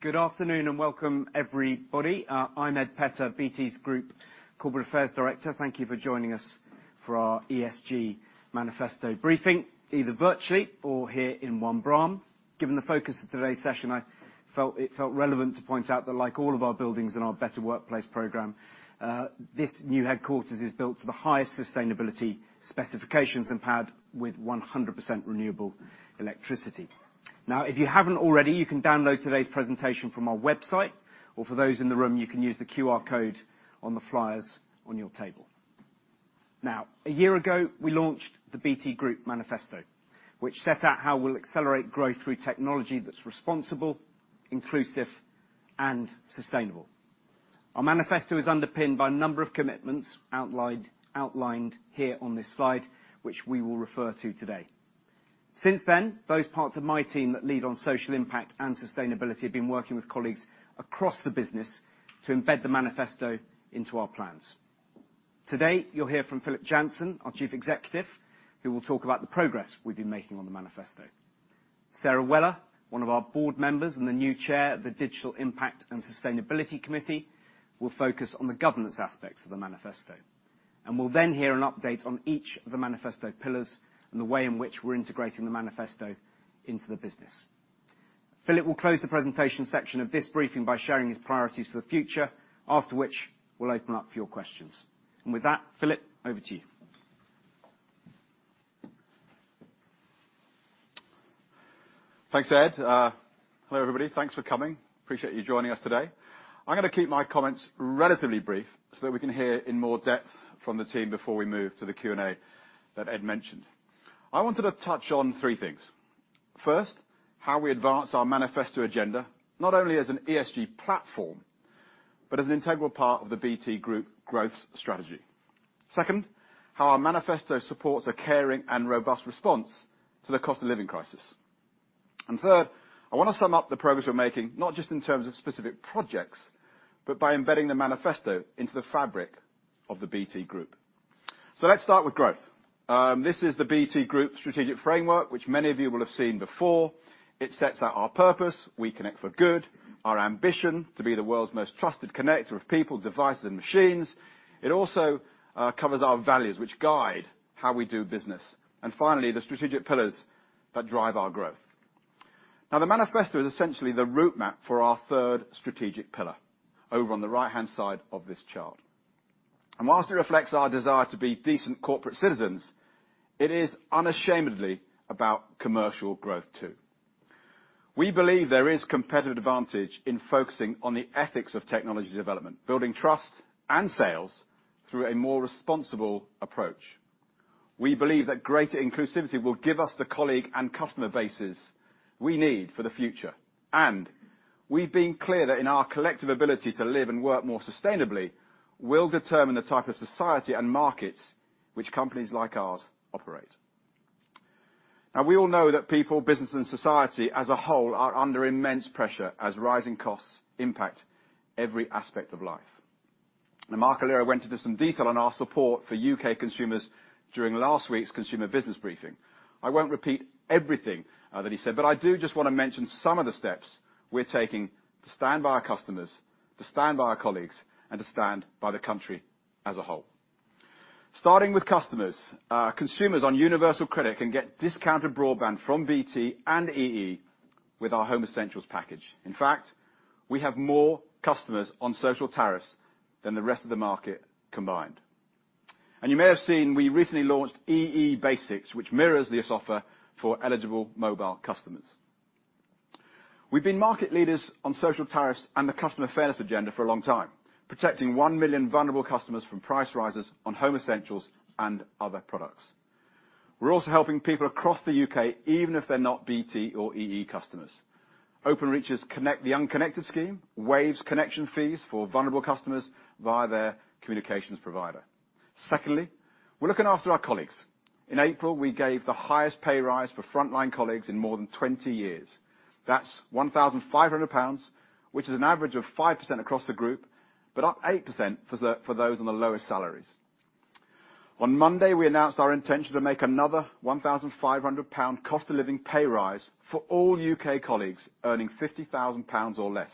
Good afternoon and welcome, everybody. I'm Ed Petter, BT's Group Corporate Affairs Director. Thank you for joining us for our ESG Manifesto briefing, either virtually or here in One Braham. Given the focus of today's session, it felt relevant to point out that like all of our buildings in our Better Workplace Programme, this new headquarters is built to the highest sustainability specifications and powered with 100% renewable electricity. If you haven't already, you can download today's presentation from our website, or for those in the room, you can use the QR code on the flyers on your table. One year ago, we launched the BT Group Manifesto, which set out how we'll accelerate growth through technology that's Responsible, Inclusive, and Sustainable. Our Manifesto is underpinned by a number of commitments outlined here on this slide, which we will refer to today. Since then, those parts of my team that lead on social impact and sustainability have been working with colleagues across the business to embed the Manifesto into our plans. Today, you'll hear from Philip Jansen, our Chief Executive, who will talk about the progress we've been making on the Manifesto. Sara Weller, one of our board members and the new Chair of the Digital Impact and Sustainability Committee, will focus on the governance aspects of the Manifesto. We'll then hear an update on each of the Manifesto pillars and the way in which we're integrating the Manifesto into the business. Philip will close the presentation section of this briefing by sharing his priorities for the future, after which we'll open up for your questions. With that, Philip, over to you. Thanks, Ed. Hello, everybody. Thanks for coming. Appreciate you joining us today. I'm gonna keep my comments relatively brief so that we can hear in more depth from the team before we move to the Q&A that Ed mentioned. I wanted to touch on three things. First, how we advance our Manifesto agenda, not only as an ESG platform, but as an integral part of the BT Group growth strategy. Second, how our Manifesto supports a caring and robust response to the cost of living crisis. Third, I wanna sum up the progress we're making, not just in terms of specific projects, but by embedding the Manifesto into the fabric of the BT Group. Let's start with growth. This is the BT Group strategic framework, which many of you will have seen before. It sets out our purpose, we connect for good, our ambition, to be the world's most trusted connector of people, devices, and machines. It also covers our values, which guide how we do business. Finally, the strategic pillars that drive our growth. The Manifesto is essentially the route map for our third strategic pillar over on the right-hand side of this chart. Whilst it reflects our desire to be decent corporate citizens, it is unashamedly about commercial growth, too. We believe there is competitive advantage in focusing on the ethics of technology development, building trust and sales through a more responsible approach. We believe that greater inclusivity will give us the colleague and customer bases we need for the future. We've been clear that in our collective ability to live and work more sustainably will determine the type of society and markets which companies like ours operate. We all know that people, business, and society as a whole are under immense pressure as rising costs impact every aspect of life. Marc Allera went into some detail on our support for U.K. consumers during last week's consumer business briefing. I won't repeat everything that he said, but I do just wanna mention some of the steps we're taking to stand by our customers, to stand by our colleagues, and to stand by the country as a whole. Starting with customers, consumers on Universal Credit can get discounted broadband from BT and EE with our Home Essentials package. In fact, we have more customers on social tariffs than the rest of the market combined. You may have seen we recently launched EE Basics, which mirrors this offer for eligible mobile customers. We've been market leaders on social tariffs and the customer fairness agenda for a long time, protecting 1 million vulnerable customers from price rises on Home Essentials and other products. We're also helping people across the U.K., even if they're not BT or EE customers. Openreach's Connect the Unconnected scheme waives connection fees for vulnerable customers via their communications provider. Secondly, we're looking after our colleagues. In April, we gave the highest pay rise for frontline colleagues in more than 20 years. That's 1,500 pounds, which is an average of 5% across the group, but up 8% for those on the lowest salaries. On Monday, we announced our intention to make another 1,500 pound cost of living pay rise for all U.K. colleagues earning 50,000 pounds or less,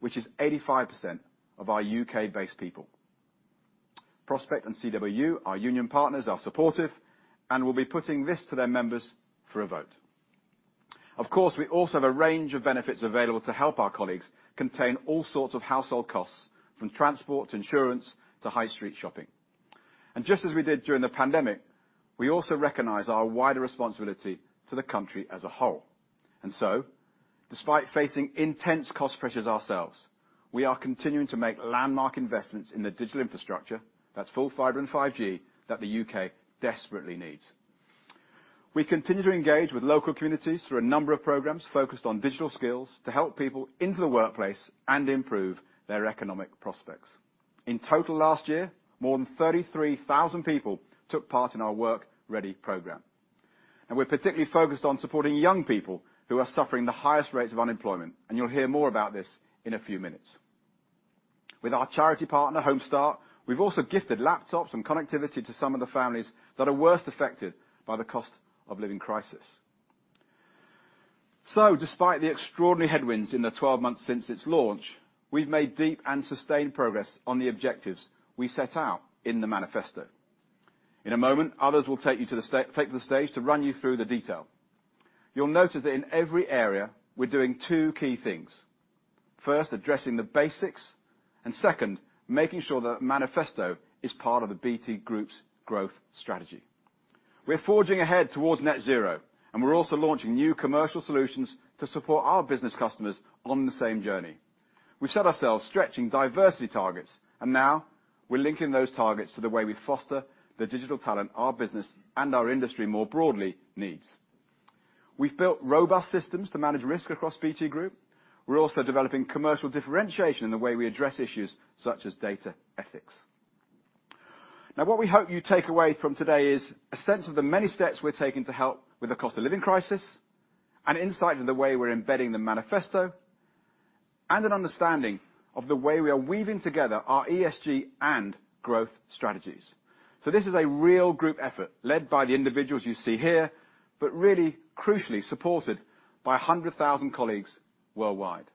which is 85% of our U.K.-based people. Prospect and CWU, our union partners, are supportive and will be putting this to their members for a vote. Of course, we also have a range of benefits available to help our colleagues contain all sorts of household costs, from transport to insurance to high street shopping. Just as we did during the pandemic, we also recognize our wider responsibility to the country as a whole. Despite facing intense cost pressures ourselves, we are continuing to make landmark investments in the digital infrastructure, that's full fiber and 5G, that the U.K. desperately needs. We continue to engage with local communities through a number of programs focused on digital skills to help people into the workplace and improve their economic prospects. In total last year, more than 33,000 people took part in our Work Ready program. We're particularly focused on supporting young people who are suffering the highest rates of unemployment, and you'll hear more about this in a few minutes. With our charity partner, Home-Start, we've also gifted laptops and connectivity to some of the families that are worst affected by the cost of living crisis. Despite the extraordinary headwinds in the 12 months since its launch, we've made deep and sustained progress on the objectives we set out in the Manifesto. In a moment, others will take the stage to run you through the detail. You'll notice that in every area, we're doing two key things. First, addressing the basics. Second, making sure the Manifesto is part of the BT Group's growth strategy. We're forging ahead toward net zero. We're also launching new commercial solutions to support our business customers on the same journey. We've set ourselves stretching diversity targets. Now we're linking those targets to the way we foster the digital talent our business and our industry more broadly needs. We've built robust systems to manage risk across BT Group. We're also developing commercial differentiation in the way we address issues such as data ethics. What we hope you take away from today is a sense of the many steps we're taking to help with the cost of living crisis and insight into the way we're embedding the Manifesto and an understanding of the way we are weaving together our ESG and growth strategies. This is a real group effort led by the individuals you see here, but really crucially supported by 100,000 colleagues worldwide.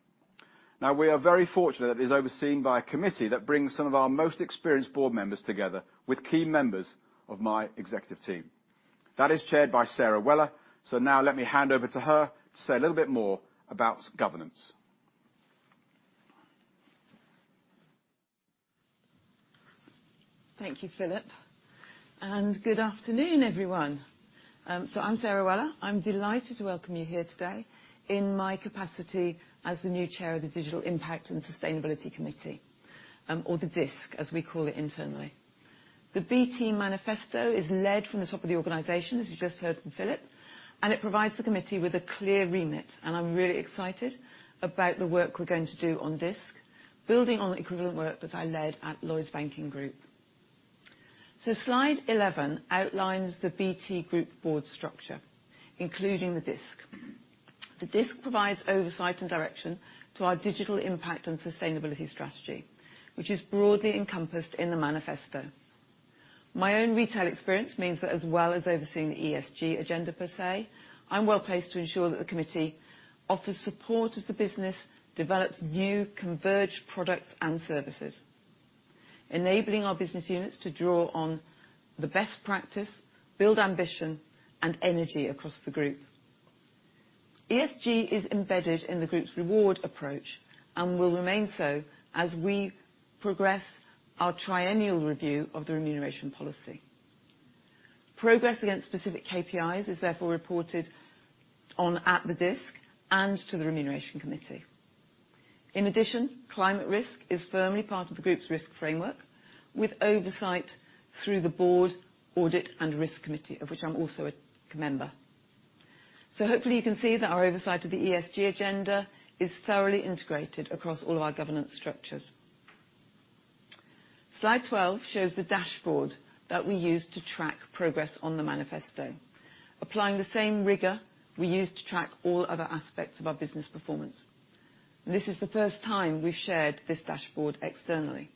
We are very fortunate that it is overseen by a committee that brings some of our most experienced board members together with key members of my executive team. That is chaired by Sara Weller. Let me hand over to her to say a little bit more about governance. Thank you, Philip. Good afternoon, everyone. I'm Sara Weller. I'm delighted to welcome you here today in my capacity as the new Chair of the Digital Impact and Sustainability Committee, or the DISC, as we call it internally. The BT Manifesto is led from the top of the organization, as you just heard from Philip, it provides the committee with a clear remit. I'm really excited about the work we're going to do on DISC, building on the equivalent work that I led at Lloyds Banking Group. Slide 11 outlines the BT Group board structure, including the DISC. The DISC provides oversight and direction to our digital impact and sustainability strategy, which is broadly encompassed in the Manifesto. My own retail experience means that as well as overseeing the ESG agenda per se, I'm well placed to ensure that the committee offers support as the business develops new converged products and services, enabling our business units to draw on the best practice, build ambition and energy across the group. ESG is embedded in the group's reward approach and will remain so as we progress our triennial review of the remuneration policy. Progress against specific KPIs is therefore reported on at the DISC and to the remuneration committee. In addition, climate risk is firmly part of the group's risk framework, with oversight through the board audit and risk committee, of which I'm also a member. Hopefully you can see that our oversight of the ESG agenda is thoroughly integrated across all of our governance structures. Slide 12 shows the dashboard that we use to track progress on the BT Group Manifesto. Applying the same rigor we use to track all other aspects of our business performance. This is the first time we've shared this dashboard externally.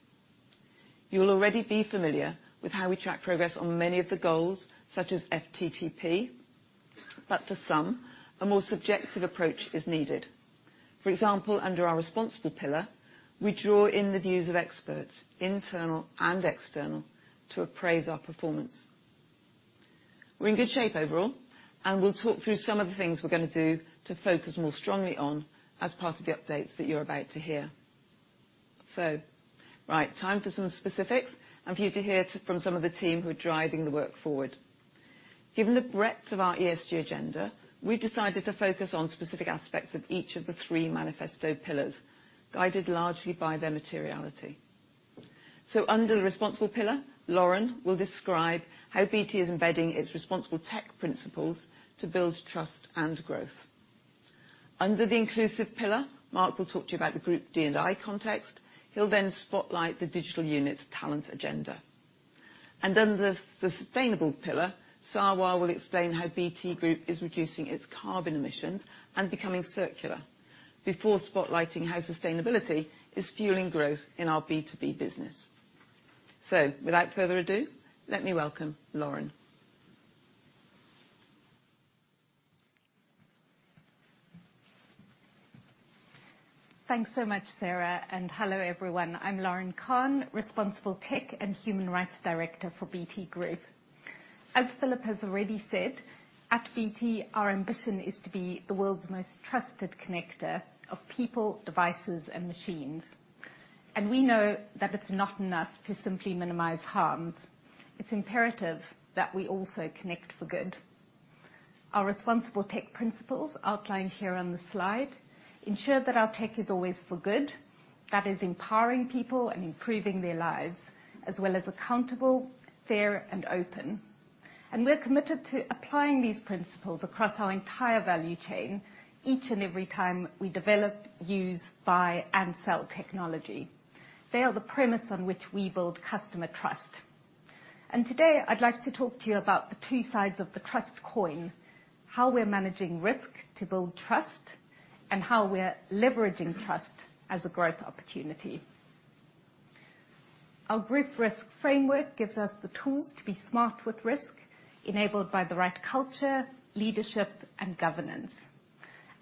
You'll already be familiar with how we track progress on many of the goals, such as FTTP, but for some, a more subjective approach is needed. For example, under our responsible pillar, we draw in the views of experts, internal and external, to appraise our performance. We're in good shape overall, and we'll talk through some of the things we're gonna do to focus more strongly on as part of the updates that you're about to hear. Right, time for some specifics and for you to hear from some of the team who are driving the work forward. Given the breadth of our ESG agenda, we've decided to focus on specific aspects of each of the three Manifesto pillars, guided largely by their materiality. Under the responsible pillar, Lauren will describe how BT is embedding its Responsible Tech principles to build trust and growth. Under the inclusive pillar, Mark will talk to you about the group D&I context. He'll then spotlight the Digital unit's talent agenda. Under the sustainable pillar, Sarwar will explain how BT Group is reducing its carbon emissions and becoming circular before spotlighting how sustainability is fueling growth in our B2B business. Without further ado, let me welcome Lauren. Thanks so much, Sara. Hello, everyone. I'm Lauren Kahn, Responsible Tech and Human Rights Director for BT Group. As Philip has already said, at BT, our ambition is to be the world's most trusted connector of people, devices and machines. We know that it's not enough to simply minimize harm. It's imperative that we also connect for good. Our Responsible Tech Principles, outlined here on the slide, ensure that our tech is always for good, that is empowering people and improving their lives, as well as accountable, fair and open. We're committed to applying these principles across our entire value chain each and every time we develop, use, buy and sell technology. They are the premise on which we build customer trust. Today, I'd like to talk to you about the two sides of the trust coin, how we're managing risk to build trust, and how we're leveraging trust as a growth opportunity. Our group risk framework gives us the tools to be smart with risk, enabled by the right culture, leadership, and governance.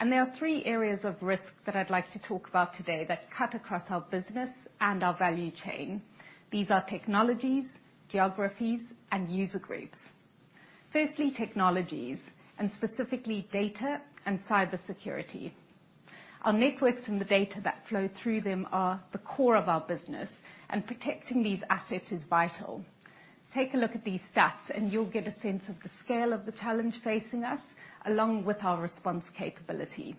There are three areas of risk that I'd like to talk about today that cut across our business and our value chain. These are technologies, geographies, and user groups. Firstly, technologies, and specifically data and cybersecurity. Our networks and the data that flow through them are the core of our business, and protecting these assets is vital. Take a look at these stats and you'll get a sense of the scale of the challenge facing us, along with our response capability.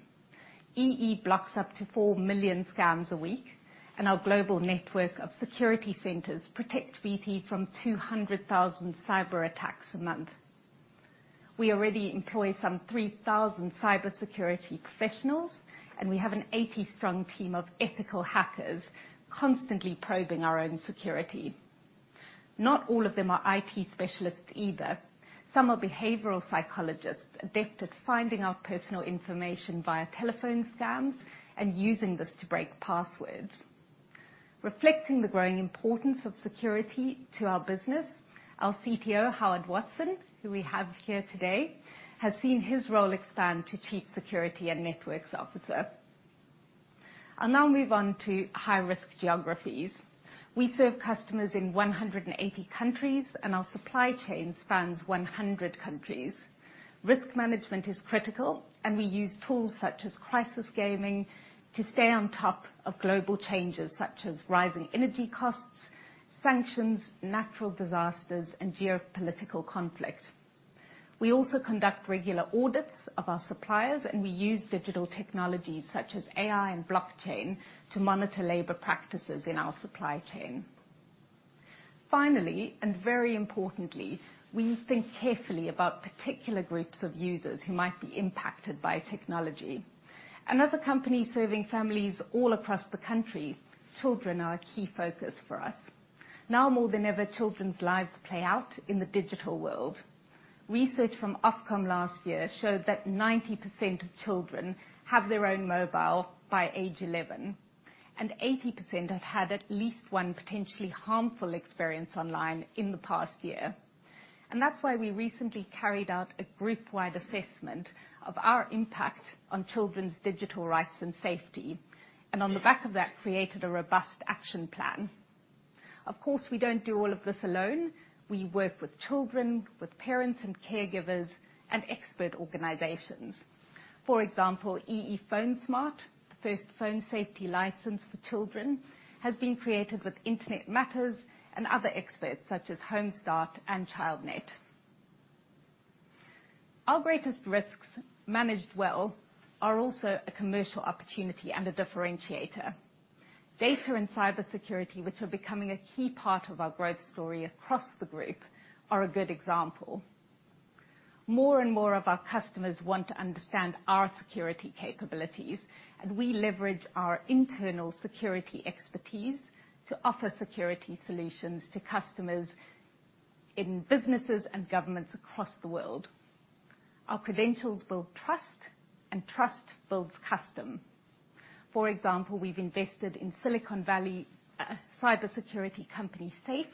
EE blocks up to 4 million scams a week, and our global network of security centers protect BT from 200,000 cyber attacks a month. We already employ some 3,000 cybersecurity professionals, and we have an 80 strong team of Ethical Hackers: constantly probing our own security. Not all of them are IT specialists either. Some are behavioral psychologists addicted to finding our personal information via telephone scams and using this to break passwords. Reflecting the growing importance of security to our business, our CTO, Howard Watson, who we have here today, has seen his role expand to Chief Security and Networks Officer. I'll now move on to high-risk geographies. We serve customers in 180 countries, and our supply chain spans 100 countries. Risk management is critical. We use tools such as Crisis Gaming to stay on top of global changes such as rising energy costs, sanctions, natural disasters, and geopolitical conflict. We also conduct regular audits of our suppliers. We use digital technologies such as AI and blockchain to monitor labor practices in our supply chain. Finally, very importantly, we think carefully about particular groups of users who might be impacted by technology. As a company serving families all across the country, children are a key focus for us. Now more than ever, children's lives play out in the digital world. Research from Ofcom last year showed that 90% of children have their own mobile by age 11, and 80% have had at least one potentially harmful experience online in the past year. That's why we recently carried out a groupwide assessment of our impact on children's digital rights and safety, and on the back of that, created a robust action plan. Of course, we don't do all of this alone. We work with children, with parents and caregivers, and expert organizations. For example, EE PhoneSmart, the first phone safety license for children, has been created with Internet Matters and other experts such as Home-Start and Childnet. Our greatest risks, managed well, are also a commercial opportunity and a differentiator. Data and cybersecurity, which are becoming a key part of our growth story across the group, are a good example. More and more of our customers want to understand our security capabilities, we leverage our internal security expertise to offer security solutions to customers in businesses and governments across the world. Our credentials build trust and trust builds custom. For example, we've invested in Silicon Valley, a cybersecurity company, SAFE,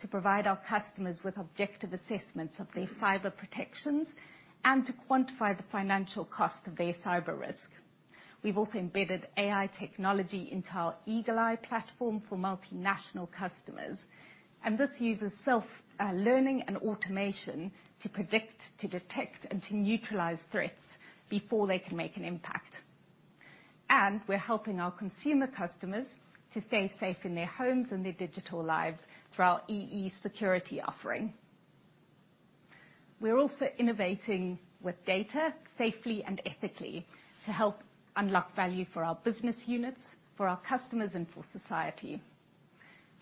to provide our customers with objective assessments of their cyber protections and to quantify the financial cost of their cyber risk. We've also embedded AI technology into our Eagle-i platform for multinational customers. This uses self learning and automation to predict, to detect, and to neutralize threats before they can make an impact. We're helping our consumer customers to stay safe in their homes and their digital lives through our EE security offering. We're also innovating with data safely and ethically to help unlock value for our business units, for our customers, and for society.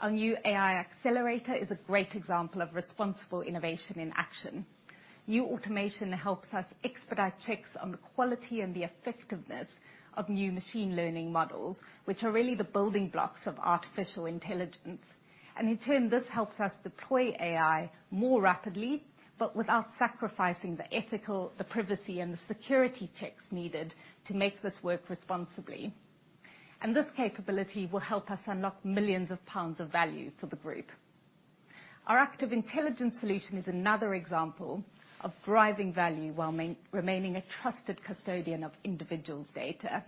Our new AI Accelerator is a great example of responsible innovation in action. New automation helps us expedite checks on the quality and the effectiveness of new machine learning models, which are really the building blocks of artificial intelligence. In turn, this helps us deploy AI more rapidly, but without sacrificing the ethical, the privacy, and the security checks needed to make this work responsibly. This capability will help us unlock millions of GBP of value for the group. Our Active Intelligence solution is another example of driving value while remaining a trusted custodian of individuals' data.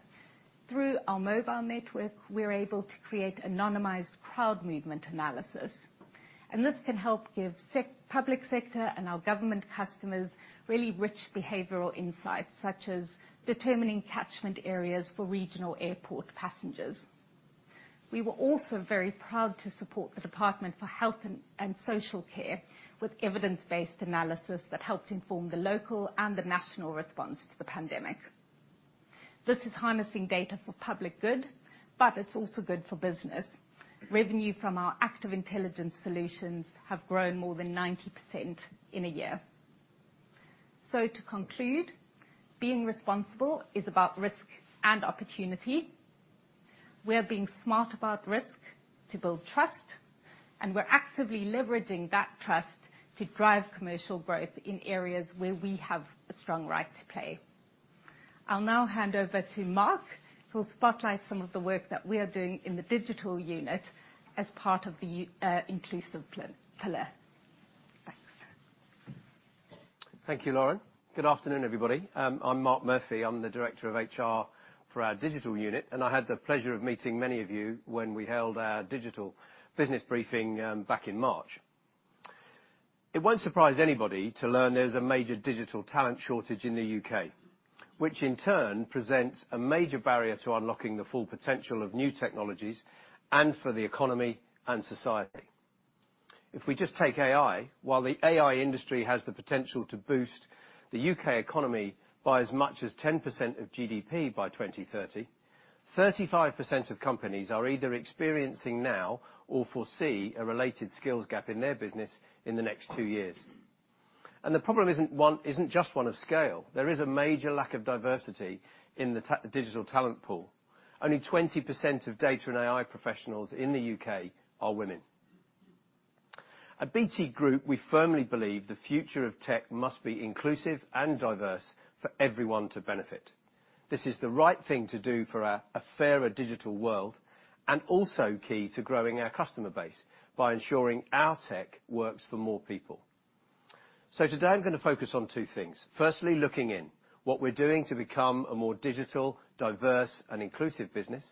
Through our mobile network, we're able to create anonymized crowd movement analysis, and this can help give public sector and our government customers really rich behavioral insights, such as determining catchment areas for regional airport passengers. We were also very proud to support the Department for Health and Social Care with evidence-based analysis that helped inform the local and the national response to the pandemic. This is harnessing data for public good, but it's also good for business. Revenue from our Active Intelligence solutions have grown more than 90% in a year. To conclude, being responsible is about risk and opportunity. We are being smart about risk to build trust, and we're actively leveraging that trust to drive commercial growth in areas where we have a strong right to play. I'll now hand over to Mark Murphy, who'll spotlight some of the work that we are doing in the Digital unit as part of the inclusive pillar. Thanks. Thank you, Lauren. Good afternoon, everybody. I'm Mark Murphy. I'm the Director of HR for our Digital unit, and I had the pleasure of meeting many of you when we held our digital business briefing, back in March. It won't surprise anybody to learn there's a major digital talent shortage in the U.K., which in turn presents a major barrier to unlocking the full potential of new technologies and for the economy and society. If we just take AI, while the AI industry has the potential to boost the U.K. economy by as much as 10% of GDP by 2030, 35% of companies are either experiencing now or foresee a related skills gap in their business in the next two years. The problem isn't just one of scale. There is a major lack of diversity in the digital talent pool. Only 20% of data and AI professionals in the U.K are women. At BT Group, we firmly believe the future of tech must be inclusive and diverse for everyone to benefit. This is the right thing to do for a fairer digital world, and also key to growing our customer base by ensuring our tech works for more people. Today I'm gonna focus on two things. Firstly, looking in, what we're doing to become a more digital, diverse, and inclusive business.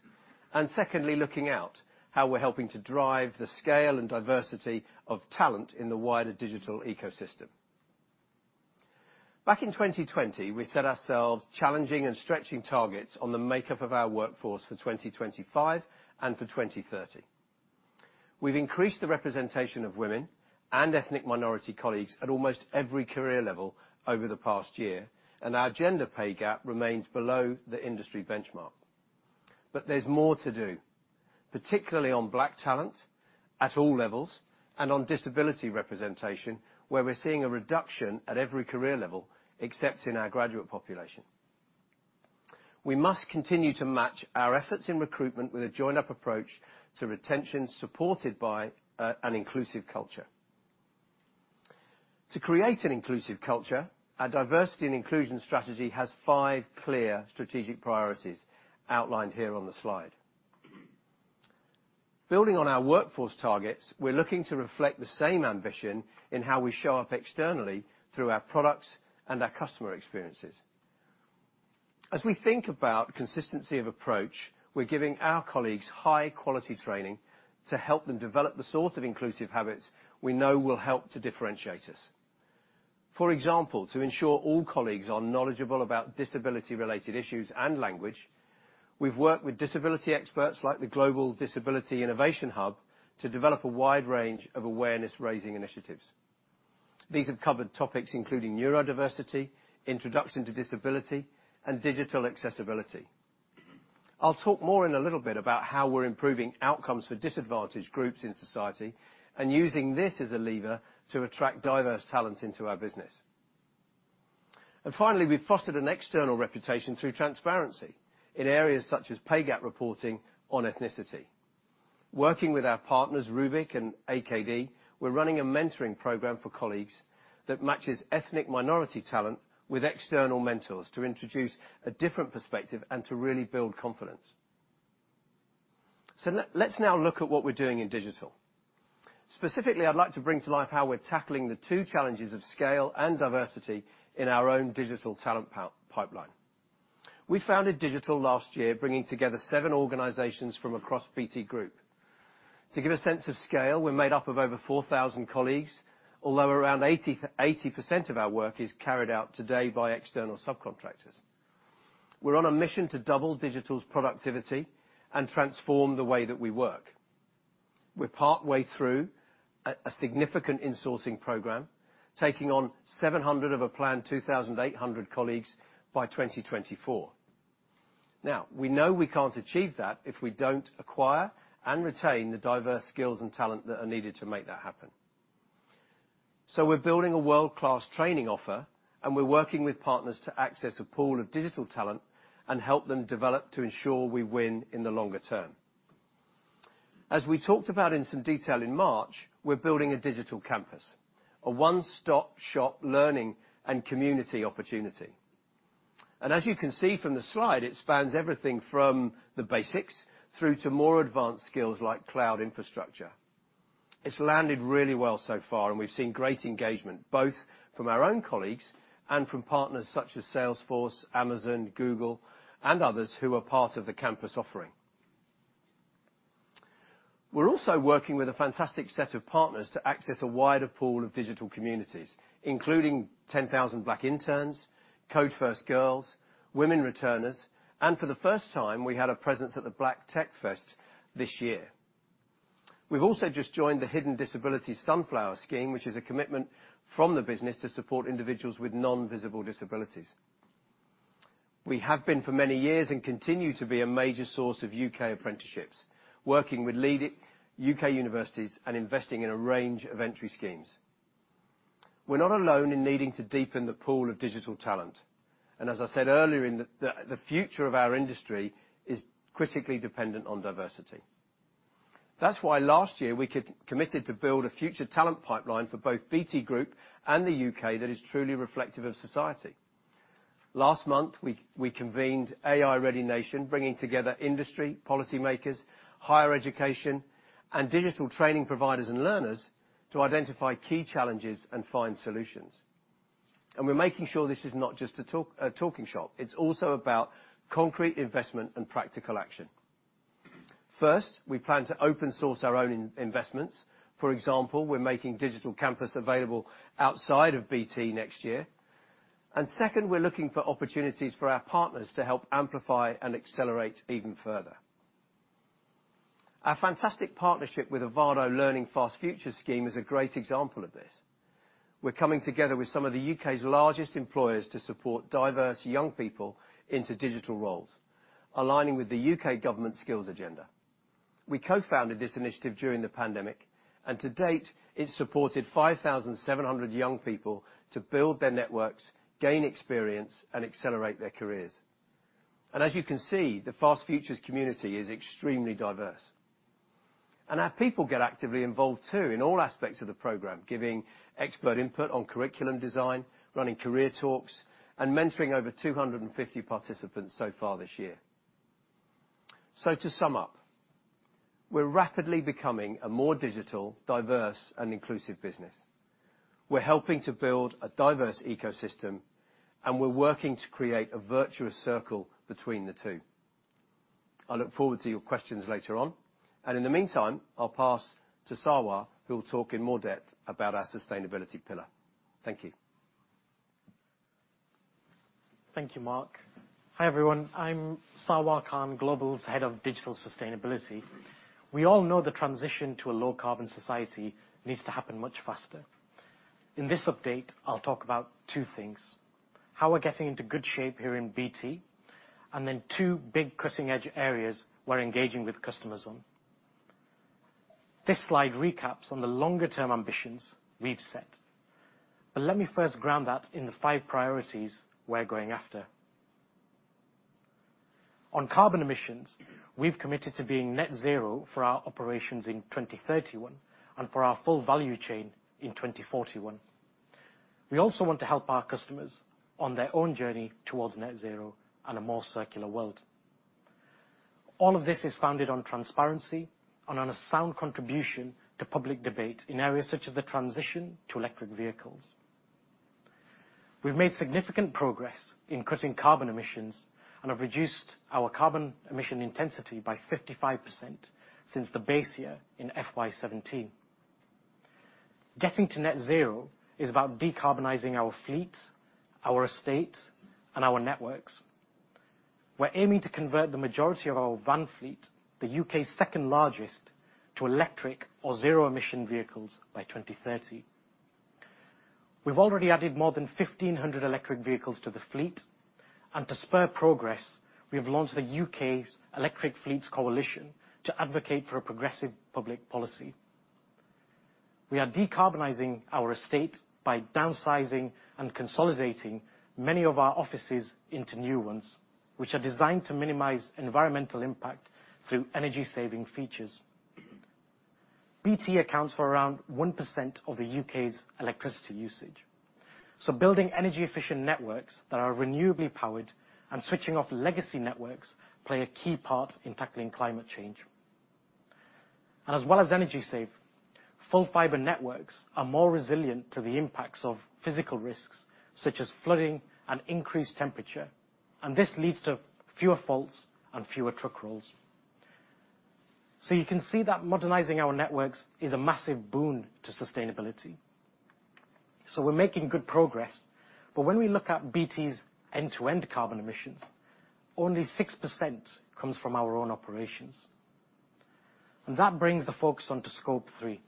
Secondly, looking out, how we're helping to drive the scale and diversity of talent in the wider digital ecosystem. Back in 2020, we set ourselves challenging and stretching targets on the makeup of our workforce for 2025 and for 2030. We've increased the representation of women and ethnic minority colleagues at almost every career level over the past year, and our gender pay gap remains below the industry benchmark. There's more to do, particularly on Black talent at all levels and on disability representation, where we're seeing a reduction at every career level, except in our graduate population. We must continue to match our efforts in recruitment with a joined-up approach to retention supported by an inclusive culture. To create an inclusive culture, our diversity and inclusion strategy has five clear strategic priorities outlined here on the slide. Building on our workforce targets, we're looking to reflect the same ambition in how we show up externally through our products and our customer experiences. As we think about consistency of approach, we're giving our colleagues high-quality training to help them develop the sort of inclusive habits we know will help to differentiate us. For example, to ensure all colleagues are knowledgeable about disability-related issues and language, we've worked with disability experts like the Global Disability Innovation Hub to develop a wide range of awareness-raising initiatives. These have covered topics including neurodiversity, introduction to disability, and digital accessibility. I'll talk more in a little bit about how we're improving outcomes for disadvantaged groups in society and using this as a lever to attract diverse talent into our business. Finally, we've fostered an external reputation through transparency in areas such as pay gap reporting on ethnicity. Working with our partners, Rubik and AKD, we're running a mentoring program for colleagues that matches ethnic minority talent with external mentors to introduce a different perspective and to really build confidence. Let's now look at what we're doing in Digital. Specifically, I'd like to bring to life how we're tackling the two challenges of scale and diversity in our own Digital talent pipeline. We founded Digital last year, bringing together seven organizations from across BT Group. To give a sense of scale, we're made up of over 4,000 colleagues, although around 80% of our work is carried out today by external subcontractors. We're on a mission to double Digital's productivity and transform the way that we work. We're partway through a significant insourcing program, taking on 700 of a planned 2,800 colleagues by 2024. Now, we know we can't achieve that if we don't acquire and retain the diverse skills and talent that are needed to make that happen. We're building a world-class training offer, and we're working with partners to access a pool of digital talent and help them develop to ensure we win in the longer term. As we talked about in some detail in March, we're building a Digital Campus, a one-stop-shop learning and community opportunity. As you can see from the slide, it spans everything from the basics through to more advanced skills like cloud infrastructure. It's landed really well so far, and we've seen great engagement, both from our own colleagues and from partners such as Salesforce, Amazon, Google, and others who are part of the campus offering. We're also working with a fantastic set of partners to access a wider pool of digital communities, including 10,000 Black Interns, Code First Girls, Women Returners, and for the first time, we had a presence at the Black Tech Fest this year. We've also just joined the Hidden Disabilities Sunflower Scheme, which is a commitment from the business to support individuals with non-visible disabilities. We have been for many years and continue to be a major source of U.K. Apprenticeships, working with leading U.K. universities and investing in a range of entry schemes. We're not alone in needing to deepen the pool of digital talent, and as I said earlier, in the future of our industry is critically dependent on diversity. That's why last year we committed to build a future talent pipeline for both BT Group and the U.K. that is truly reflective of society. Last month, we convened AI Ready Nation, bringing together industry, policymakers, higher education, and digital training providers and learners to identify key challenges and find solutions. We're making sure this is not just a talking shop, it's also about concrete investment and practical action. First, we plan to open source our own investments. For example, we're making Digital Campus available outside of BT next year. Second, we're looking for opportunities for our partners to help amplify and accelerate even further. Our fantastic partnership with Avado Learning FastFutures scheme is a great example of this. We're coming together with some of the U.K.'s largest employers to support diverse young people into digital roles, aligning with the U.K. government skills agenda. We co-founded this initiative during the pandemic, to date, it supported 5,700 young people to build their networks, gain experience, and accelerate their careers. As you can see, the FastFutures community is extremely diverse. Our people get actively involved too in all aspects of the program, giving expert input on curriculum design, running career talks, and mentoring over 250 participants so far this year. To sum up, we're rapidly becoming a more digital, diverse, and inclusive business. We're helping to build a diverse ecosystem, and we're working to create a virtuous circle between the two. I look forward to your questions later on. In the meantime, I'll pass to Sarwar, who will talk in more depth about our sustainability pillar. Thank you. Thank you, Mark. Hi, everyone. I'm Sarwar Khan, Global's Head of Digital Sustainability. We all know the transition to a low carbon society needs to happen much faster. In this update, I'll talk about two things, how we're getting into good shape here in BT, and then two big cutting-edge areas we're engaging with customers on. This slide recaps on the longer-term ambitions we've set. Let me first ground that in the five priorities we're going after. On carbon emissions, we've committed to being net zero for our operations in 2031 and for our full value chain in 2041. We also want to help our customers on their own journey towards net zero and a more circular world. All of this is founded on transparency and on a sound contribution to public debate in areas such as the transition to electric vehicles. We've made significant progress in cutting carbon emissions and have reduced our carbon emission intensity by 55% since the base year in FY 2017. Getting to net zero is about decarbonizing our fleet, our estate, and our networks. We're aiming to convert the majority of our van fleet, the U.K.'s second largest, to electric or zero emission vehicles by 2030. We've already added more than 1,500 electric vehicles to the fleet. To spur progress, we have launched the U.K. Electric Fleets Coalition to advocate for a progressive public policy. We are decarbonizing our estate by downsizing and consolidating many of our offices into new ones, which are designed to minimize environmental impact through energy saving features. BT accounts for around 1% of the U.K.'s electricity usage. Building energy-efficient networks that are renewably powered and switching off legacy networks play a key part in tackling climate change. As well as energy save, full fiber networks are more resilient to the impacts of physical risks, such as flooding and increased temperature, and this leads to fewer faults and fewer truck rolls. You can see that modernizing our networks is a massive boon to sustainability. We're making good progress. When we look at BT's end-to-end carbon emissions, only 6% comes from our own operations. That brings the focus on to Scope 3,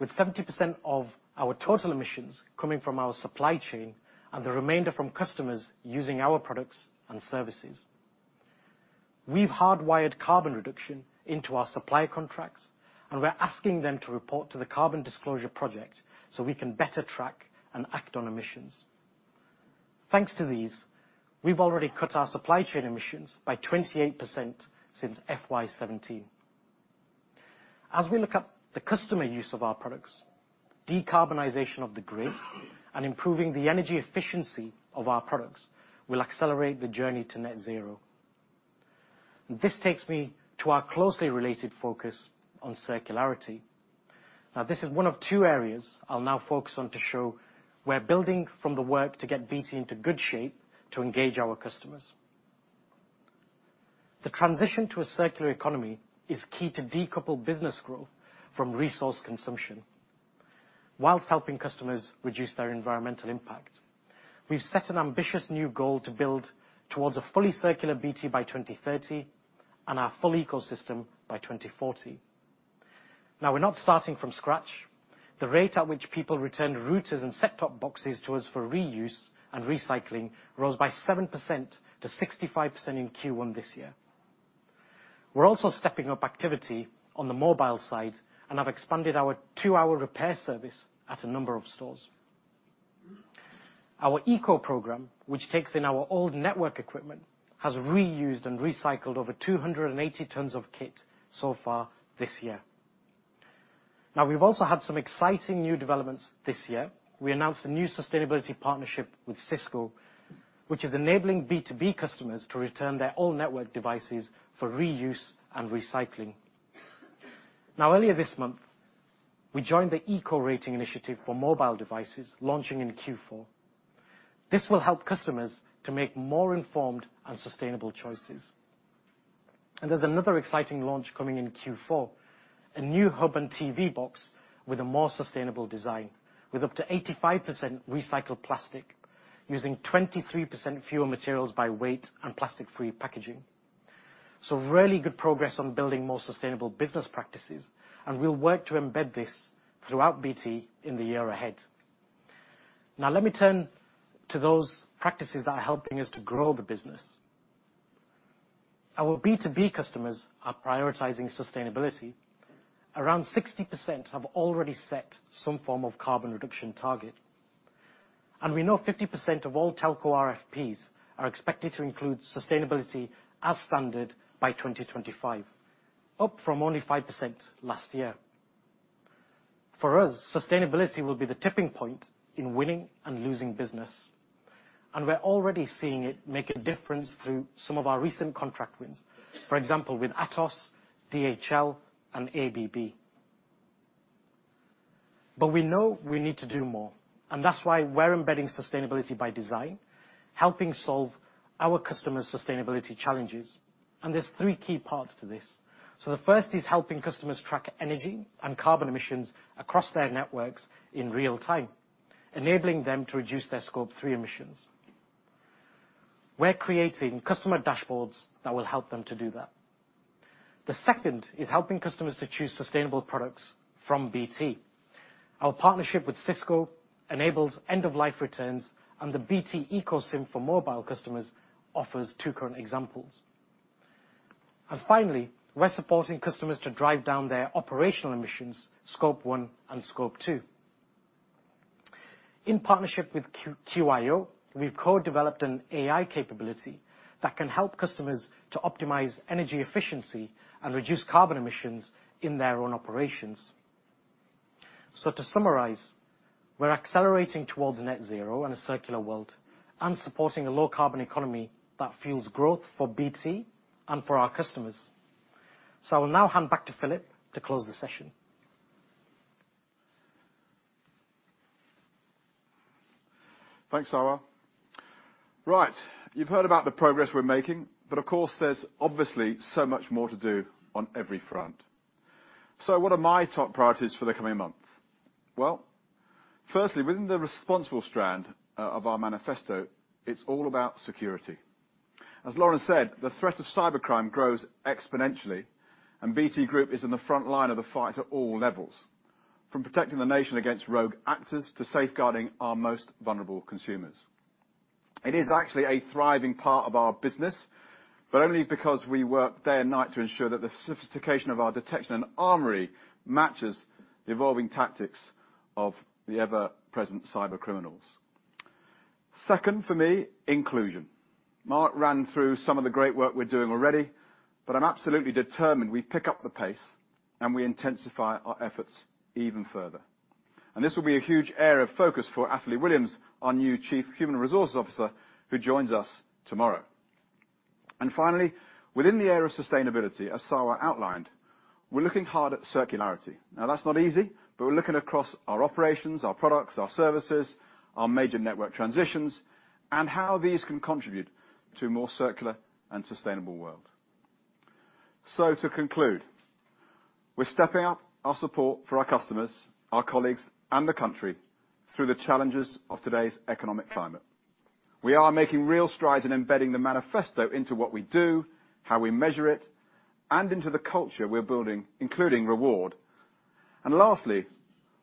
with 70% of our total emissions coming from our supply chain and the remainder from customers using our products and services. We've hardwired carbon reduction into our supply contracts, we're asking them to report to the Carbon Disclosure Project so we can better track and act on emissions. Thanks to these, we've already cut our supply chain emissions by 28% since FY 2017. We look up the customer use of our products, decarbonization of the grid, and improving the energy efficiency of our products will accelerate the journey to net zero. This takes me to our closely related focus on circularity. This is one of two areas I'll now focus on to show we're building from the work to get BT into good shape to engage our customers. The transition to a Circular Economy is key to decouple business growth from resource consumption whilst helping customers reduce their environmental impact. We've set an ambitious new goal to build towards a fully circular BT by 2030 and our full ecosystem by 2040. We're not starting from scratch. The rate at which people return routers and set-top boxes to us for reuse and recycling rose by 7% to 65% in Q1 this year. We're also stepping up activity on the mobile side and have expanded our two-hour repair service at a number of stores. Our ECO programme, which takes in our old network equipment, has reused and recycled over 280 tons of kit so far this year. We've also had some exciting new developments this year. We announced a new sustainability partnership with Cisco, which is enabling B2B customers to return their own network devices for reuse and recycling. Earlier this month, we joined the Eco Rating initiative for mobile devices launching in Q4. This will help customers to make more informed and sustainable choices. There's another exciting launch coming in Q4, a new hub and TV box with a more sustainable design, with up to 85% recycled plastic, using 23% fewer materials by weight and plastic-free packaging. Really good progress on building more sustainable business practices, and we'll work to embed this throughout BT in the year ahead. Now let me turn to those practices that are helping us to grow the business. Our B2B customers are prioritizing sustainability. Around 60% have already set some form of carbon reduction target, and we know 50% of all telco RFPs are expected to include sustainability as standard by 2025, up from only 5% last year. For us, sustainability will be the tipping point in winning and losing business, and we're already seeing it make a difference through some of our recent contract wins, for example, with Atos, DHL, and ABB. We know we need to do more, that's why we're embedding sustainability by design, helping solve our customers' sustainability challenges. There's three key parts to this. The first is helping customers track energy and carbon emissions across their networks in real time, enabling them to reduce their Scope three emissions. We're creating customer dashboards that will help them to do that. The second is helping customers to choose sustainable products from BT. Our partnership with Cisco enables end-of-life returns, the BT Eco SIM for mobile customers offers 2 current examples. Finally, we're supporting customers to drive down their operational emissions, Scope one and Scope two. In partnership with QiO, we've co-developed an AI capability that can help customers to optimize energy efficiency and reduce carbon emissions in their own operations. To summarize, we're accelerating towards net zero and a circular world and supporting a low-carbon economy that fuels growth for BT and for our customers. I will now hand back to Philip to close the session. Thanks, Sarwar. Right. You've heard about the progress we're making, of course, there's obviously so much more to do on every front. What are my top priorities for the coming month? Well, firstly, within the responsible strand of our BT Group Manifesto, it's all about security. As Lauren said, the threat of cybercrime grows exponentially, BT Group is in the frontline of the fight at all levels, from protecting the nation against rogue actors to safeguarding our most vulnerable consumers. It is actually a thriving part of our business, only because we work day and night to ensure that the sophistication of our detection and armory matches the evolving tactics of the ever-present cybercriminals. Second, for me, inclusion. Mark ran through some of the great work we're doing already, I'm absolutely determined we pick up the pace and we intensify our efforts even further. This will be a huge area of focus for Athalie Williams, our new Chief Human Resources Officer, who joins us tomorrow. Finally, within the area of sustainability, as Sarwar outlined, we're looking hard at circularity. That's not easy, but we're looking across our operations, our products, our services, our major network transitions, and how these can contribute to a more circular and sustainable world. To conclude, we're stepping up our support for our customers, our colleagues, and the country through the challenges of today's economic climate. We are making real strides in embedding the BT Group Manifesto into what we do, how we measure it, and into the culture we're building, including reward. Lastly,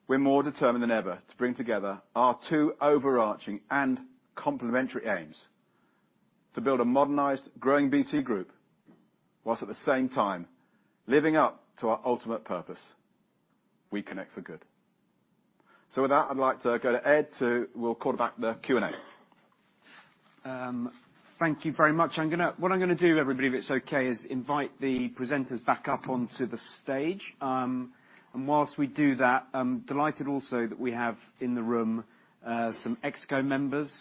we're more determined than ever to bring together our two overarching and complementary aims: to build a modernized, growing BT Group, whilst at the same time living up to our ultimate purpose, we connect for good. With that, I'd like to go to Ed we'll call back the Q&A. Thank you very much. What I'm going to do, everybody, if it's okay, is invite the presenters back up onto the stage. While we do that, I'm delighted also that we have in the room some ExCo members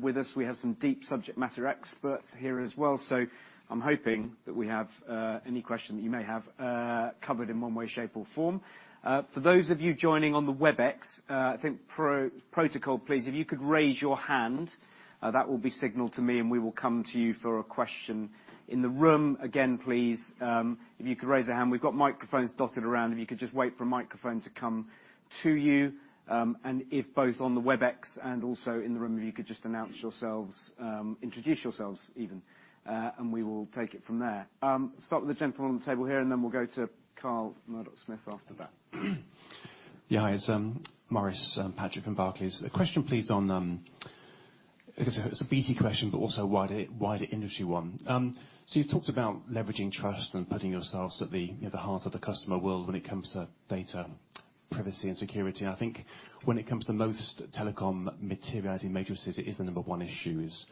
with us. We have some deep subject matter experts here as well. I'm hoping that we have any question that you may have covered in one way, shape, or form. For those of you joining on the WebEx, I think pro-protocol, please, if you could raise your hand, that will be signaled to me, and we will come to you for a question. In the room, again, please, if you could raise your hand. We've got microphones dotted around. If you could just wait for a microphone to come to you. If both on the Webex and also in the room, if you could just announce yourselves, introduce yourselves even, and we will take it from there. Start with the gentleman on the table here, and then we will go to Carl Murdock-Smith after that. Yeah. It's Maurice Patrick from Barclays. A question, please, on, I guess it's a BT question, but also wider industry one. You've talked about leveraging trust and putting yourselves at the, you know, the heart of the customer world when it comes to data privacy and security. I think when it comes to most telecom materializing matrices, it is the number one issue is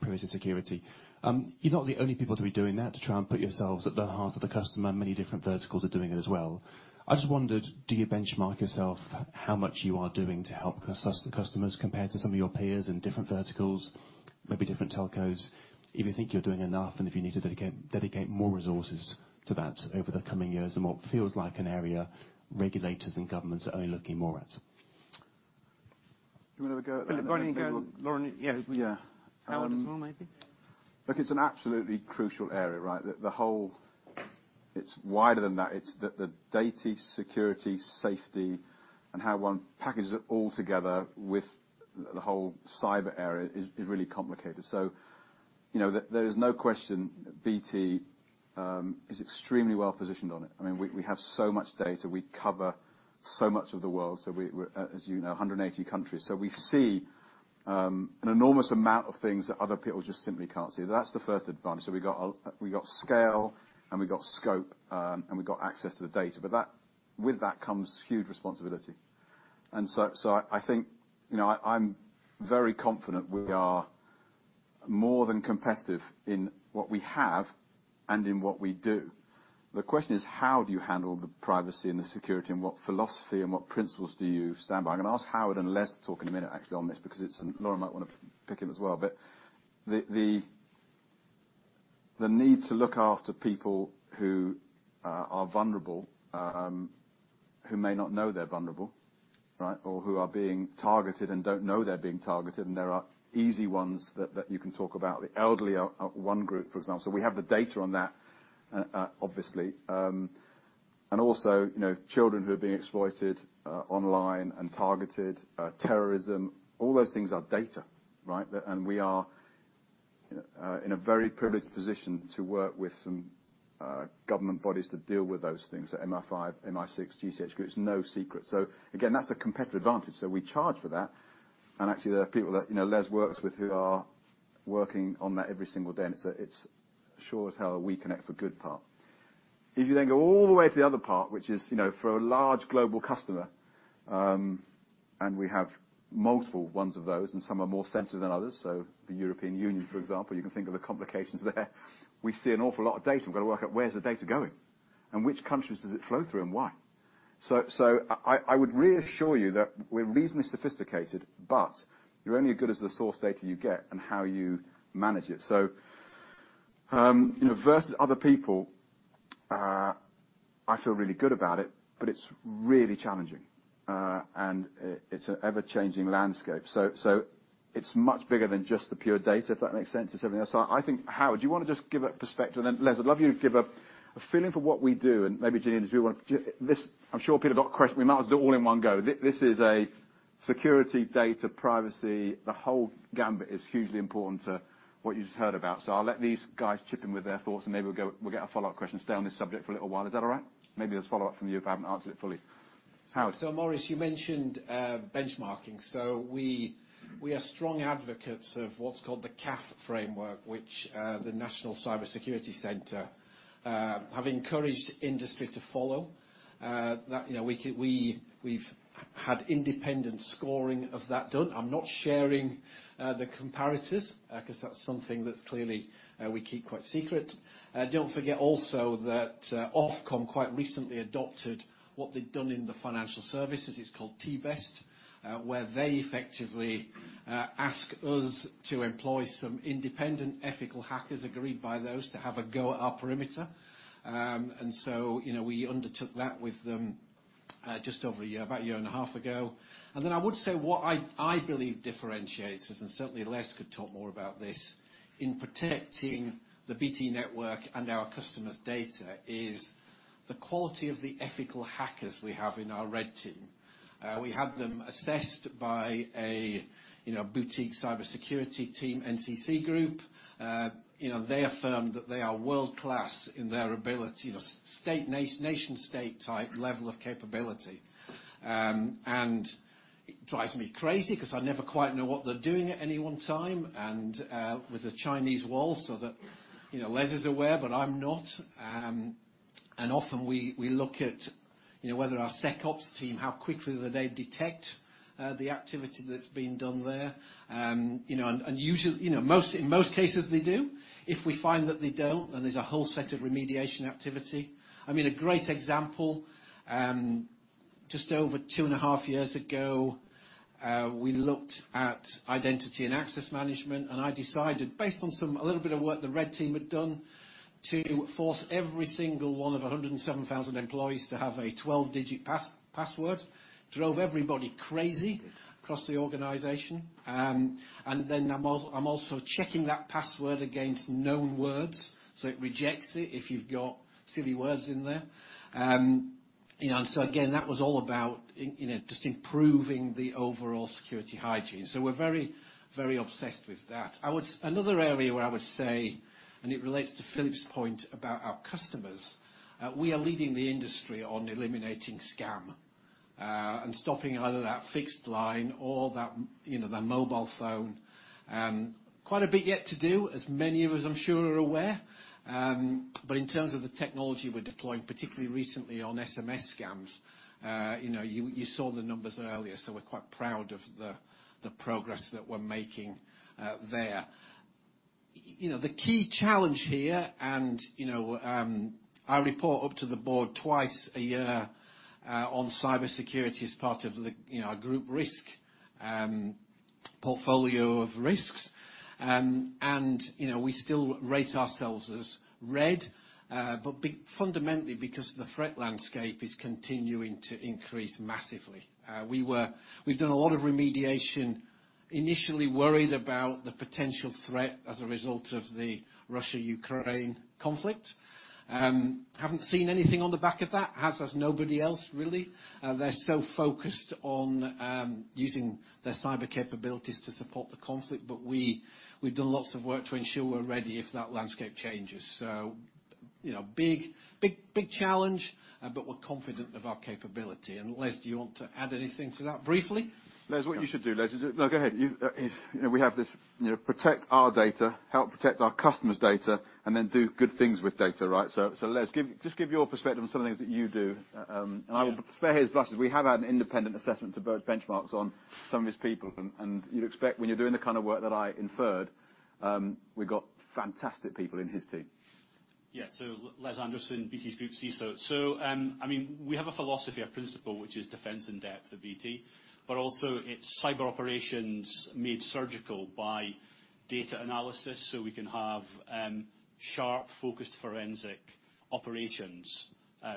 privacy, security. You're not the only people to be doing that, to try and put yourselves at the heart of the customer. Many different verticals are doing it as well. I just wondered, do you benchmark yourself how much you are doing to help customers compared to some of your peers in different verticals, maybe different telcos? If you think you're doing enough and if you need to dedicate more resources to that over the coming years in what feels like an area regulators and governments are only looking more at. You wanna have a go. Well, go ahead. Lauren, yeah. Yeah. Howard as well, maybe. It's an absolutely crucial area, right? It's wider than that. It's the data security, safety, and how one packages it all together with the whole cyber area is really complicated. You know, there is no question BT is extremely well-positioned on it. I mean, we have so much data. We cover so much of the world. We're, as you know, 180 countries. We see an enormous amount of things that other people just simply can't see. That's the first advantage. We got scale, and we got scope, and we got access to the data. With that comes huge responsibility. I think, you know, I'm very confident we are more than competitive in what we have and in what we do. The question is, how do you handle the privacy and the security, and what philosophy and what principles do you stand by? I'm gonna ask Howard and Les to talk in a minute actually on this because it's. Lauren might wanna pitch in as well. The need to look after people who are vulnerable, who may not know they're vulnerable, right, or who are being targeted and don't know they're being targeted, and there are easy ones that you can talk about. The elderly are one group, for example. We have the data on that, obviously. Also, you know, children who are being exploited online and targeted, terrorism, all those things are data, right? We are in a very privileged position to work with some government bodies to deal with those things. The MI5, MI6, GCHQ groups. It's no secret. Again, that's a competitive advantage. We charge for that. Actually, there are people that, you know, Les works with who are working on that every single day. It's, it's sure as hell we connect the good part. If you then go all the way to the other part, which is, you know, for a large global customer, and we have multiple ones of those, and some are more sensitive than others, so the European Union, for example, you can think of the complications there. We see an awful lot of data. We've gotta work out where's the data going, and which countries does it flow through and why. I would reassure you that we're reasonably sophisticated, but you're only as good as the source data you get and how you manage it. You know, versus other people, I feel really good about it, but it's really challenging. It's an ever-changing landscape. It's much bigger than just the pure data, if that makes sense. I think, Howard, do you wanna just give a perspective? Les, I'd love you to give a feeling for what we do and maybe, Janice, if you wanna this, I'm sure Peter got a question. We might as do it all in one go. This is a security data privacy. The whole gambit is hugely important to what you just heard about. I'll let these guys chip in with their thoughts, and maybe we'll go, we'll get a follow-up question, stay on this subject for a little while. Is that all right? Maybe there's a follow-up from you if I haven't answered it fully. Howard. Maurice, you mentioned benchmarking. We are strong advocates of what's called the CAF Framework, which the National Cyber Security Centre have encouraged industry to follow. That, you know, we've had independent scoring of that done. I'm not sharing the comparatives, 'cause that's something that clearly we keep quite secret. Don't forget also that Ofcom quite recently adopted what they've done in the financial services. It's called TBEST, where they effectively ask us to employ some independent Ethical Hackers: agreed by those to have a go at our perimeter. You know, we undertook that with them just over a year, about a year and a half ago. I would say what I believe differentiates us, and certainly Les could talk more about this, in protecting the BT network and our customers' data is the quality of the Ethical Hackers: we have in our red team. We had them assessed by a, you know, boutique cybersecurity team, NCC Group. You know, they affirmed that they are world-class in their ability, you know, state, nation-state type level of capability. It drives me crazy 'cause I never quite know what they're doing at any one time and, with the Chinese wall so that, you know, Les is aware, but I'm not. Often we look at, you know, whether our SecOps team, how quickly do they detect the activity that's being done there. You know, and usually, you know, in most cases, they do. If we find that they don't, there's a whole set of remediation activity. I mean, a great example. Just over 2.5 years ago, we looked at identity and access management, and I decided, based on some, a little bit of work the red team had done, to force every single one of 107,000 employees to have a 12-digit pass-password. Drove everybody crazy across the organization. I'm also checking that password against known words, so it rejects it if you've got silly words in there. You know, again, that was all about, you know, just improving the overall security hygiene. We're very, very obsessed with that. Another area where I would say, and it relates to Philip's point about our customers, we are leading the industry on eliminating scam. Stopping either that fixed line or that, you know, the mobile phone. Quite a bit yet to do as many of us I'm sure are aware. In terms of the technology we're deploying, particularly recently on SMS scams, you know, you saw the numbers earlier, so we're quite proud of the progress that we're making there. You know, the key challenge here and, you know, I report up to the board twice a year on cybersecurity as part of the, you know, our group risk portfolio of risks. You know, we still rate ourselves as red, fundamentally because the threat landscape is continuing to increase massively. We've done a lot of remediation, initially worried about the potential threat as a result of the Russia-Ukraine conflict. Haven't seen anything on the back of that. Has nobody else really. They're so focused on using their cyber capabilities to support the conflict, but we've done lots of work to ensure we're ready if that landscape changes. You know, big, big, big challenge, but we're confident of our capability. Les, do you want to add anything to that briefly? Les, what you should do, Les, is. No, go ahead. You know, we have this, you know, protect our data, help protect our customers' data, and then do good things with data, right? Les, just give your perspective on some of the things that you do. Yeah. I will spare his blushes. We have had an independent assessment to both benchmarks on some of his people. You'd expect when you're doing the kind of work that I inferred, we've got fantastic people in his team. Yeah. Les Anderson, BT Group CSO. I mean, we have a philosophy, a principle, which is defense in depth at BT, but also it's cyber operations made surgical by data analysis, so we can have sharp, focused forensic operations.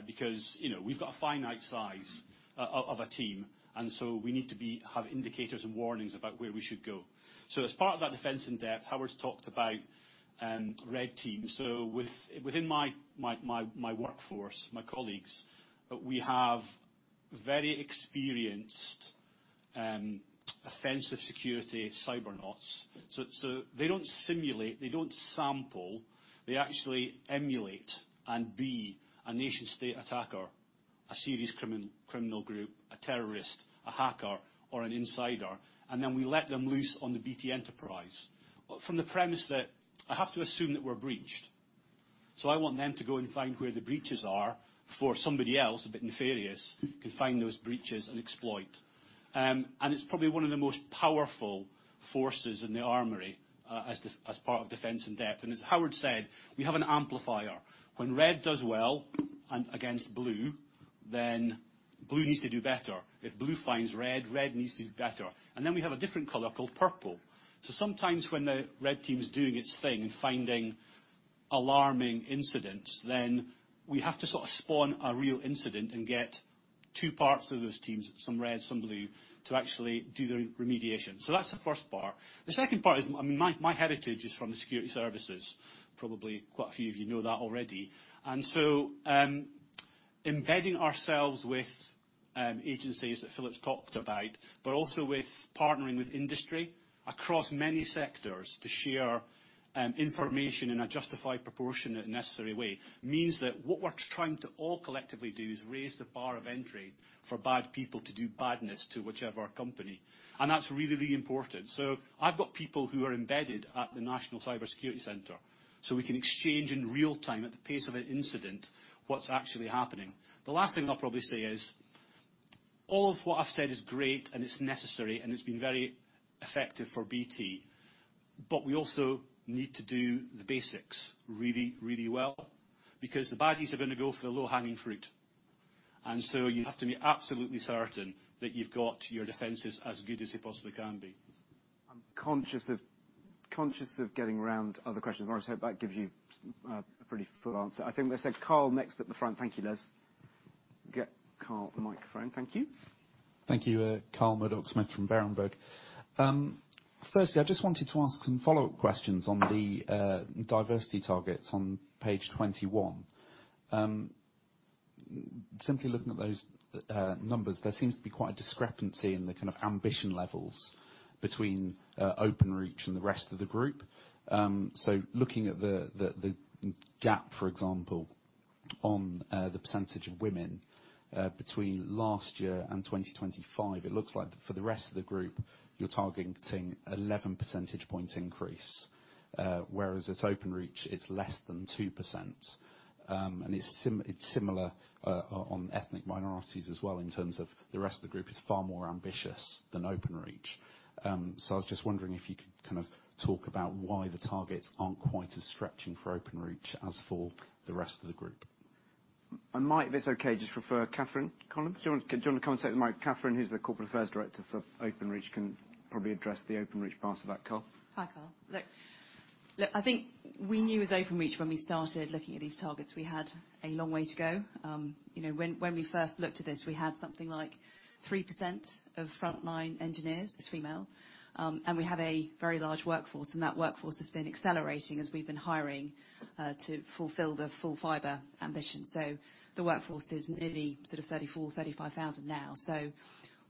Because, you know, we've got a finite size of a team, and so we need to be, have indicators and warnings about where we should go. As part of that defense in depth, Howard's talked about red teams. Within my workforce, my colleagues, we have very experienced offensive security cybernauts. They don't simulate, they don't sample, they actually emulate and be a nation-state attacker, a serious criminal group, a terrorist, a hacker, or an insider, and then we let them loose on the BT enterprise. From the premise that I have to assume that we're breached. I want them to go and find where the breaches are before somebody else, a bit nefarious, can find those breaches and exploit. It's probably one of the most powerful forces in the armory, as part of defense in depth. As Howard said, we have an amplifier. When red does well and against blue needs to do better. If blue finds red needs to do better. We have a different color called purple. Sometimes when the red team's doing its thing and finding alarming incidents, we have to sort of spawn a real incident and get two parts of those teams, some red, some blue, to actually do the remediation. That's the first part. The second part is, I mean, my heritage is from the security services. Probably quite a few of you know that already. Embedding ourselves with agencies that Philip's talked about, but also with partnering with industry across many sectors to share information in a justified, proportionate, and necessary way, means that what we're trying to all collectively do is raise the bar of entry for bad people to do badness to whichever company. That's really, really important. I've got people who are embedded at the National Cyber Security Centre, so we can exchange in real time, at the pace of an incident, what's actually happening. The last thing I'll probably say is, all of what I've said is great, and it's necessary, and it's been very effective for BT, but we also need to do the basics really, really well, because the baddies are gonna go for the low-hanging fruit. You have to be absolutely certain that you've got your defenses as good as they possibly can be. I'm conscious of getting around other questions. I hope that gives you a pretty full answer. I think they said Carl next at the front. Thank you, Les. Get Carl the microphone. Thank you. Thank you. Carl Murdock-Smith from Berenberg. Firstly, I just wanted to ask some follow-up questions on the diversity targets on page 2021. Simply looking at those numbers, there seems to be quite a discrepancy in the kind of ambition levels between Openreach and the rest of the group. Looking at the gap, for example, on the percentage of women between last year and 2025, it looks like for the rest of the group, you're targeting 11 percentage point increase, whereas at Openreach it's less than 2%. It's similar on ethnic minorities as well in terms of the rest of the group is far more ambitious than Openreach. I was just wondering if you could kind of talk about why the targets aren't quite as stretching for Openreach as for the rest of the group? I might, if it's okay, just refer Catherine Colloms. Do you wanna come and take the mic? Catherine, who's the Corporate Affairs Director for Openreach, can probably address the Openreach part of that, Carl. Hi, Carl. Look, look, I think we knew as Openreach when we started looking at these targets, we had a long way to go. you know, when we first looked at this, we had something like 3% of frontline engineers as female. We have a very large workforce, and that workforce has been accelerating as we've been hiring to fulfill the full fiber ambition. The workforce is nearly sort of 34,000-35,000 now.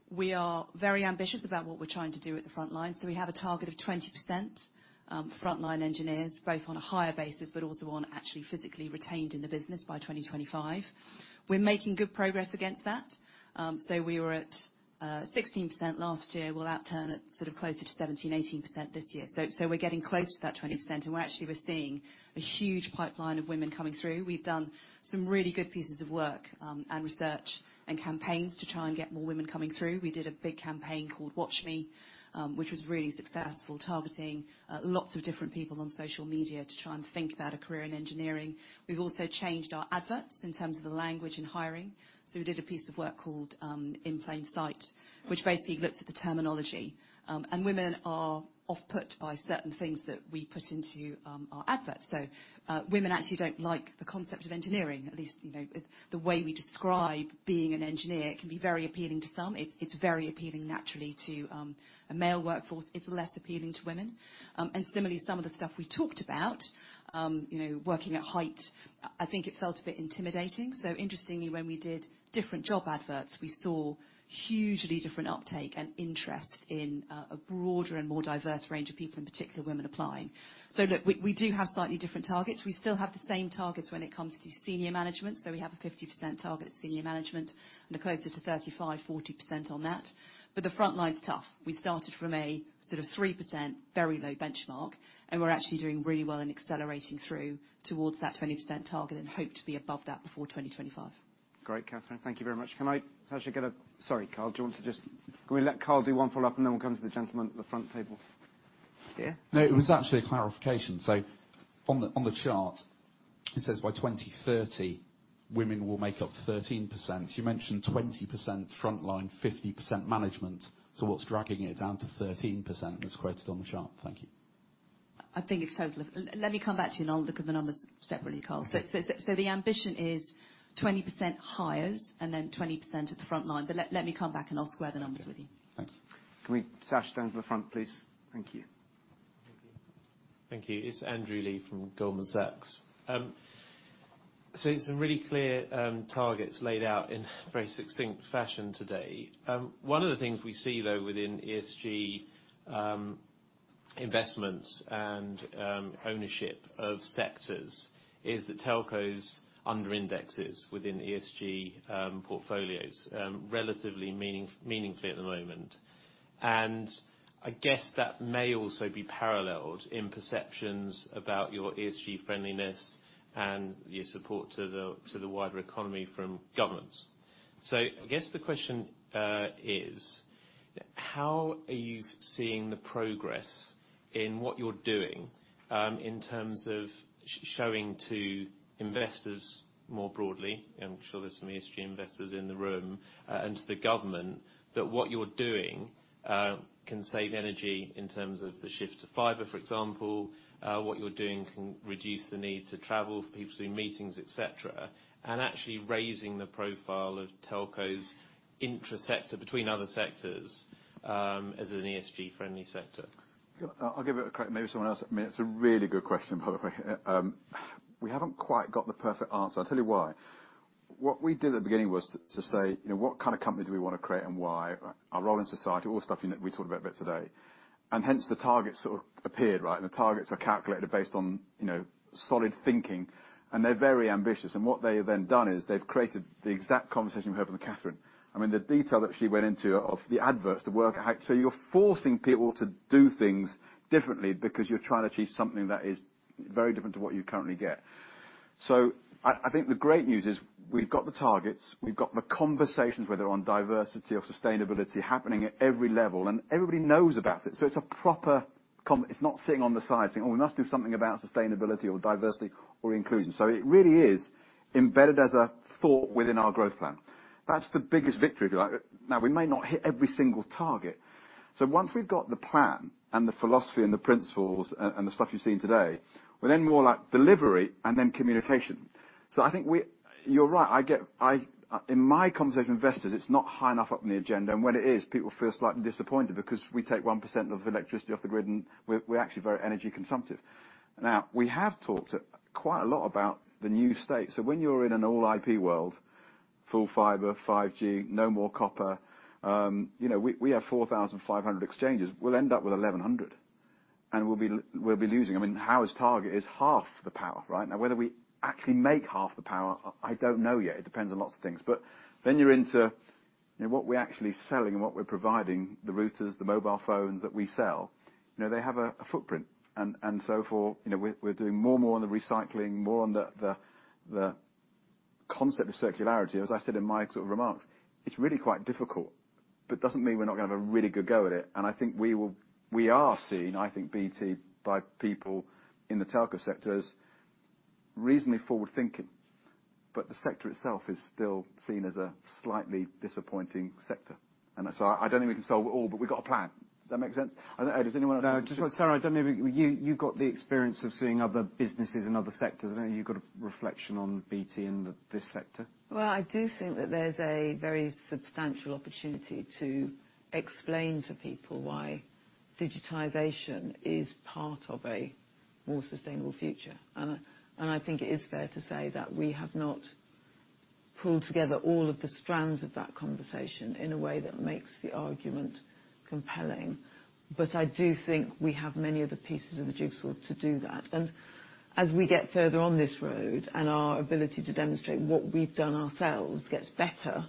We are very ambitious about what we're trying to do at the front line, we have a target of 20% front line engineers, both on a hire basis, but also on actually physically retained in the business by 2025. We're making good progress against that. We were at 16% last year. We'll outturn at sort of closer to 17%-18% this year. We're getting close to that 20%. We're actually, we're seeing a huge pipeline of women coming through. We've done some really good pieces of work, and research and campaigns to try and get more women coming through. We did a big campaign called Watch Me, which was really successful, targeting lots of different people on social media to try and think about a career in engineering. We've also changed our adverts in terms of the language in hiring. We did a piece of work called In Plain Sight, which basically looks at the terminology. Women are off-put by certain things that we put into our adverts. Women actually don't like the concept of engineering. At least, you know, the way we describe being an engineer. It can be very appealing to some. It's, it's very appealing naturally to a male workforce. It's less appealing to women. Similarly, some of the stuff we talked about, you know, working at height, I think it felt a bit intimidating. Interestingly, when we did different job adverts, we saw hugely different uptake and interest in a broader and more diverse range of people, in particular, women applying. Look, we do have slightly different targets. We still have the same targets when it comes to senior management. We have a 50% target at senior management, and are closer to 35%-40% on that. But the front line's tough. We started from a sort of 3%, very low benchmark, we're actually doing really well in accelerating through towards that 20% target and hope to be above that before 2025. Great, Catherine. Thank you very much. Sorry, Carl, can we let Carl do one follow-up, and then we'll come to the gentleman at the front table here? No, it was actually a clarification. On the chart, it says by 2030, women will make up 13%. You mentioned 20% front line, 50% management. What's dragging it down to 13% as quoted on the chart? Thank you. Let me come back to you, and I'll look at the numbers separately, Carl. Okay. The ambition is 20% hires and then 20% at the front line. Let me come back, and I'll square the numbers with you. Okay. Thank you. Sash, down at the front, please. Thank you. Thank you. It's Andrew Lee from Goldman Sachs. Some really clear targets laid out in very succinct fashion today. One of the things we see, though, within ESG investments and ownership of sectors is that telcos under indexes within ESG portfolios, relatively meaningfully at the moment. I guess that may also be paralleled in perceptions about your ESG friendliness and your support to the, to the wider economy from governments. I guess the question is how are you seeing the progress in what you're doing, in terms of showing to investors more broadly, and I'm sure there's some ESG investors in the room, and to the government that what you're doing can save energy in terms of the shift to fiber, for example. What you're doing can reduce the need to travel for people to do meetings, et cetera, and actually raising the profile of telcos intrasector, between other sectors, as an ESG-friendly sector. I'll give it a crack. Maybe someone else. I mean, it's a really good question, by the way. We haven't quite got the perfect answer. I'll tell you why. What we did at the beginning was to say, you know, what kind of company do we wanna create and why? Our role in society, all the stuff, you know, we talked about a bit today. Hence the targets sort of appeared, right? The targets are calculated based on, you know, solid thinking, and they're very ambitious. What they have then done is they've created the exact conversation we heard from Catherine. I mean, the detail that she went into of the adverts, the work, so you're forcing people to do things differently because you're trying to achieve something that is very different to what you currently get. I think the great news is we've got the targets, we've got the conversations, whether on diversity or sustainability, happening at every level, and everybody knows about it. It's a proper it's not sitting on the side saying, "Oh, we must do something about sustainability or diversity or inclusion." It really is embedded as a thought within our growth plan. That's the biggest victory. Now, we may not hit every single target, once we've got the plan and the philosophy and the principles and the stuff you've seen today, we're then more like delivery and then communication. I think you're right. I get, in my conversation with investors, it's not high enough up in the agenda. When it is, people feel slightly disappointed because we take 1% of electricity off the grid and we're actually very energy consumptive. We have talked quite a lot about the new state. When you're in an all IP world, full fiber, 5G, no more copper, you know, we have 4,500 exchanges. We'll end up with 1,100, and we'll be losing. I mean, how is target is half the power, right? Whether we actually make half the power, I don't know yet. It depends on lots of things. Then you're into, you know, what we're actually selling and what we're providing, the routers, the mobile phones that we sell, you know, they have a footprint. So for, you know, we're doing more and more on the recycling, more on the concept of circularity. As I said in my sort of remarks, it's really quite difficult, but doesn't mean we're not gonna have a really good go at it. I think we are seen, I think BT, by people in the telco sectors, reasonably forward-thinking, but the sector itself is still seen as a slightly disappointing sector. I don't think we can solve it all, but we've got a plan. Does that make sense? I don't know. Does anyone want? No. Just wanna, Sara, I don't know if you've got the experience of seeing other businesses in other sectors. I know you've got a reflection on BT and this sector. Well, I do think that there's a very substantial opportunity to explain to people why digitization is part of a more sustainable future. I think it is fair to say that we have not pulled together all of the strands of that conversation in a way that makes the argument compelling. I do think we have many of the pieces of the jigsaw to do that. As we get further on this road and our ability to demonstrate what we've done ourselves gets better,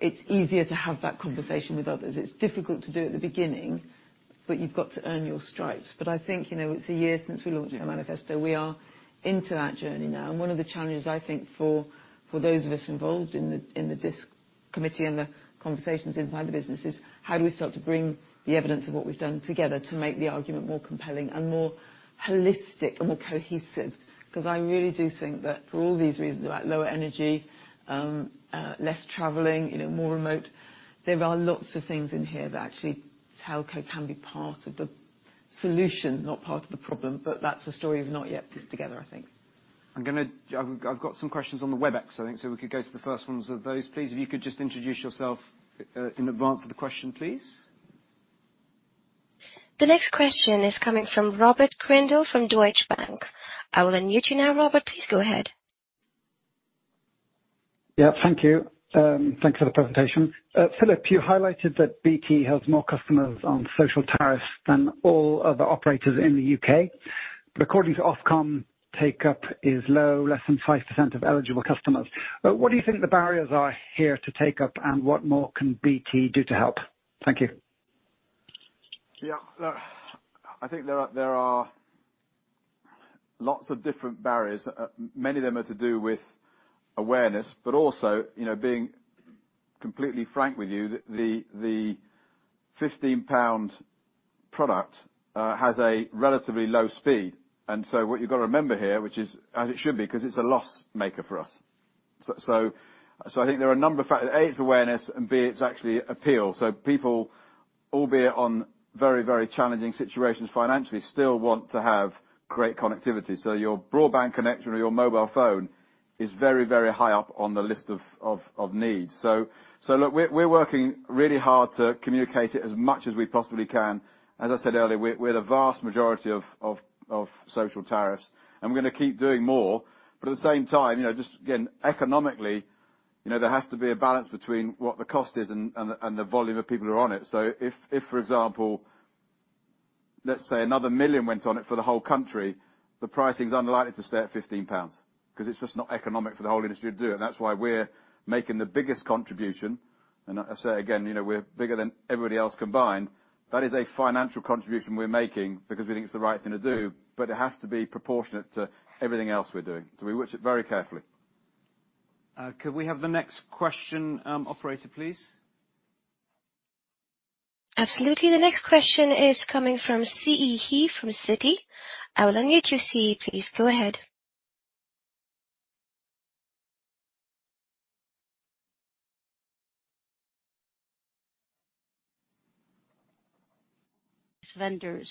it's easier to have that conversation with others. It's difficult to do at the beginning, you've got to earn your stripes. I think, you know, it's a year since we launched our Manifesto. We are into that journey now. One of the challenges, I think, for those of us involved in the DIS Committee and the conversations inside the business is how do we start to bring the evidence of what we've done together to make the argument more compelling and more holistic and more cohesive. Because I really do think that for all these reasons, about lower energy, less traveling, you know, more remote. There are lots of things in here that actually telco can be part of the solution, not part of the problem. That's a story we've not yet pieced together, I think. I've got some questions on the Webex, I think. We could go to the first ones of those, please. If you could just introduce yourself in advance of the question, please. The next question is coming from Robert Grindle from Deutsche Bank. I will unmute you now, Robert, please go ahead. Yeah, thank you. Thank you for the presentation. Philip, you highlighted that BT has more customers on social tariffs than all other operators in the U.K. According to Ofcom, take-up is low, less than 5% of eligible customers. What do you think the barriers are here to take up, and what more can BT do to help? Thank you. Yeah. Look, I think there are lots of different barriers. Many of them are to do with awareness, but also, you know, being completely frank with you, the 15 pound product has a relatively low speed. What you've got to remember here, which is as it should be, 'cause it's a loss maker for us. I think there are a number of factors. A, it's awareness, and B, it's actually appeal. People, albeit on very, very challenging situations financially, still want to have great connectivity. Your broadband connection or your mobile phone is very, very high up on the list of needs. Look, we're working really hard to communicate it as much as we possibly can. As I said earlier, we're the vast majority of social tariffs, and we're gonna keep doing more. At the same time, you know, just, again, economically, you know, there has to be a balance between what the cost is and the volume of people who are on it. If for example, let's say another 1 million went on it for the whole country, the pricing's unlikely to stay at 15 pounds, 'cause it's just not economic for the whole industry to do. That's why we're making the biggest contribution. I say again, you know, we're bigger than everybody else combined. That is a financial contribution we're making because we think it's the right thing to do, but it has to be proportionate to everything else we're doing. We watch it very carefully. Could we have the next question, operator, please? Absolutely. The next question is coming from Siyi He from Citi. I will unmute you, Si. Please go ahead. Vendors.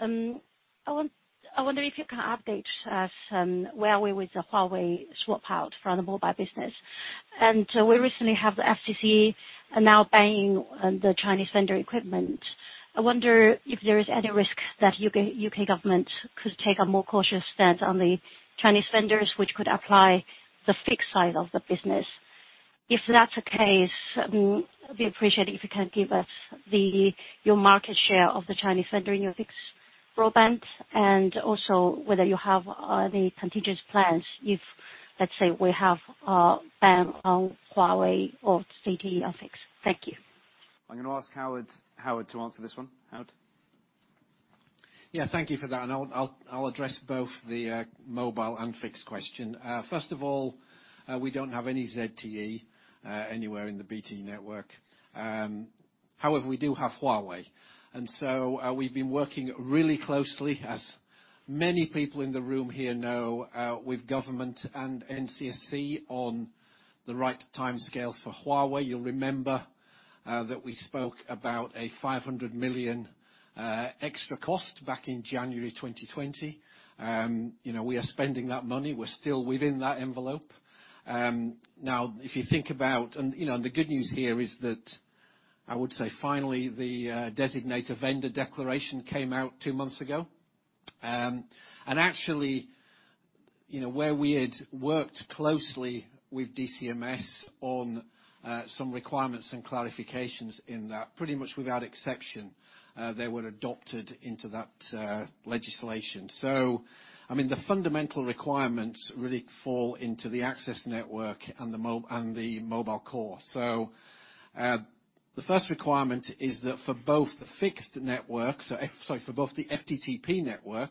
I wonder if you can update us on where are we with the Huawei swap out for the mobile business? We recently have the FCC now banning the Chinese vendor equipment. I wonder if there is any risk that U.K. government could take a more cautious stance on the Chinese vendors, which could apply the fixed side of the business? If that's the case, I'd appreciate it if you can give us your market share of the Chinese vendor in your fixed broadband, and also whether you have any contingent plans if, let's say, we have a ban on Huawei or ZTE on fixed. Thank you. I'm gonna ask Howard to answer this one. Howard? Yeah. Thank you for that, I'll address both the mobile and fixed question. First of all, we don't have any ZTE anywhere in the BT network. However, we do have Huawei. we've been working really closely, as many people in the room here know, with government and NCSC on the right timescales for Huawei. You'll remember that we spoke about a 500 million extra cost back in January 2020. you know, we are spending that money. We're still within that envelope. Now if you think about... you know, and the good news here is that I would say finally the Designated Vendor Direction came out two months ago. Actually, you know, where we had worked closely with DCMS on some requirements and clarifications in that, pretty much without exception, they were adopted into that legislation. The fundamental requirements really fall into the access network and the mobile core. The first requirement is that for both the fixed network, for both the FTTP network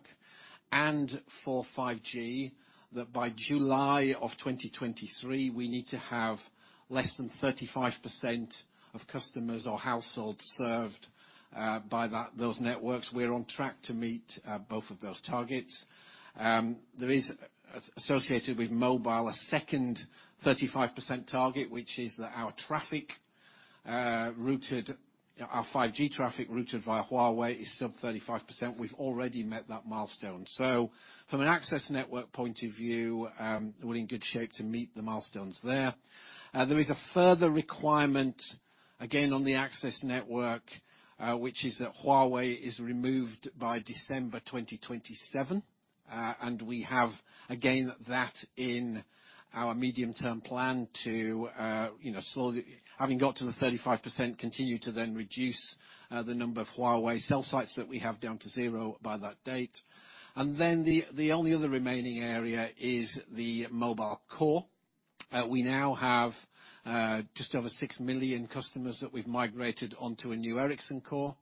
and for 5G, that by July of 2023, we need to have less than 35% of customers or households served by that, those networks. We're on track to meet both of those targets. There is associated with mobile a second 35% target, which is that our traffic routed, our 5G traffic routed via Huawei is sub 35%. We've already met that milestone. From an access network point of view, we're in good shape to meet the milestones there. There is a further requirement. Again, on the access network, which is that Huawei is removed by December 2027. We have, again, that in our medium-term plan to, you know, slowly. Having got to the 35% continue to then reduce, the number of Huawei cell sites that we have down to 0 by that date. Then the only other remaining area is the mobile core. We now have, just over 6 million customers that we've migrated onto a new Ericsson core.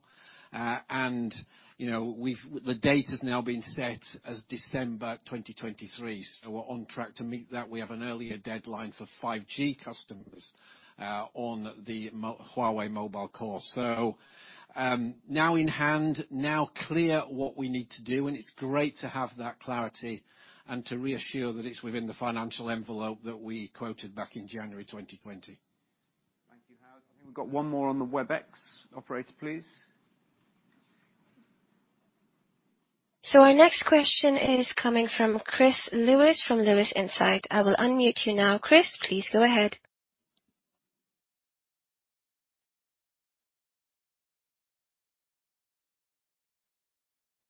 The date has now been set as December 2023. We're on track to meet that. We have an earlier deadline for 5G customers, on the Huawei mobile core. Now in hand, now clear what we need to do, and it's great to have that clarity and to reassure that it's within the financial envelope that we quoted back in January 2020. Thank you, Howard. I think we've got one more on the Webex. Operator, please. Our next question is coming from Chris Lewis, from Lewis Insight. I will unmute you now. Chris, please go ahead.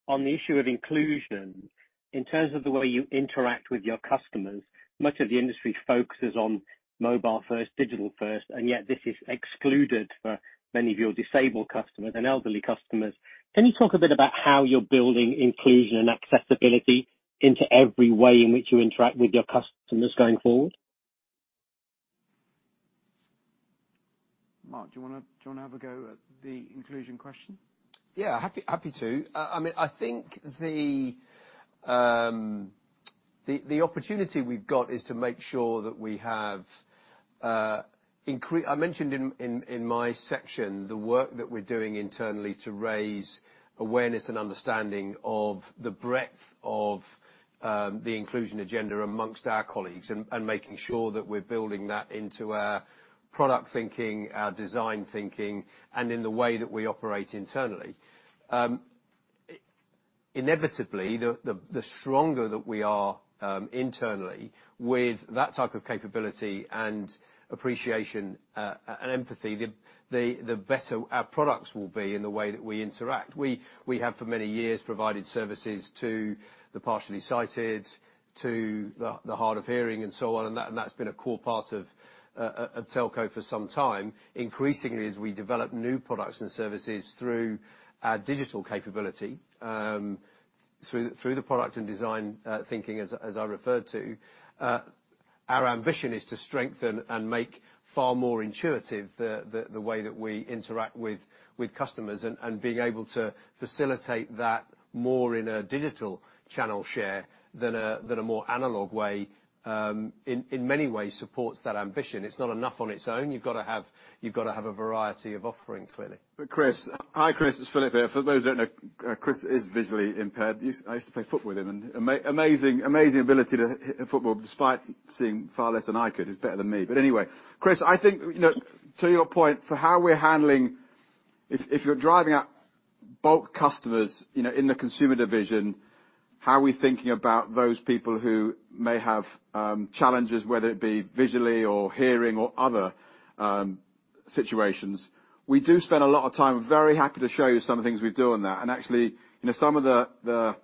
On the issue of inclusion, in terms of the way you interact with your customers, much of the industry focuses on mobile first, digital first, and yet this is excluded for many of your disabled customers and elderly customers. Can you talk a bit about how you're building inclusion and accessibility into every way in which you interact with your customers going forward? Mark, do you wanna have a go at the inclusion question? Yeah, happy to. I mean, I think the opportunity we've got is to make sure that we have. I mentioned in my section the work that we're doing internally to raise awareness and understanding of the breadth of the inclusion agenda amongst our colleagues and making sure that we're building that into our product thinking, our design thinking, and in the way that we operate internally. Inevitably, the stronger that we are internally with that type of capability and appreciation and empathy, the better our products will be in the way that we interact. We have for many years provided services to the partially sighted, to the hard of hearing and so on. That's been a core part of Telco for some time. Increasingly, as we develop new products and services through our digital capability, through the product and design thinking, as I referred to, our ambition is to strengthen and make far more intuitive the way that we interact with customers. Being able to facilitate that more in a digital channel share than a more analog way, in many ways supports that ambition. It's not enough on its own. You've gotta have a variety of offering, clearly. Chris. Hi, Chris. It's Philip here. For those who don't know, Chris is visually impaired. I used to play football with him and amazing ability to hit a football despite seeing far less than I could. He's better than me. Anyway, Chris, I think, you know, to your point for how we're handling... If, if you're driving at bulk customers, you know, in the consumer division, how are we thinking about those people who may have challenges, whether it be visually or hearing or other situations? We do spend a lot of time. Very happy to show you some of the things we do on that. Actually, you know, some of the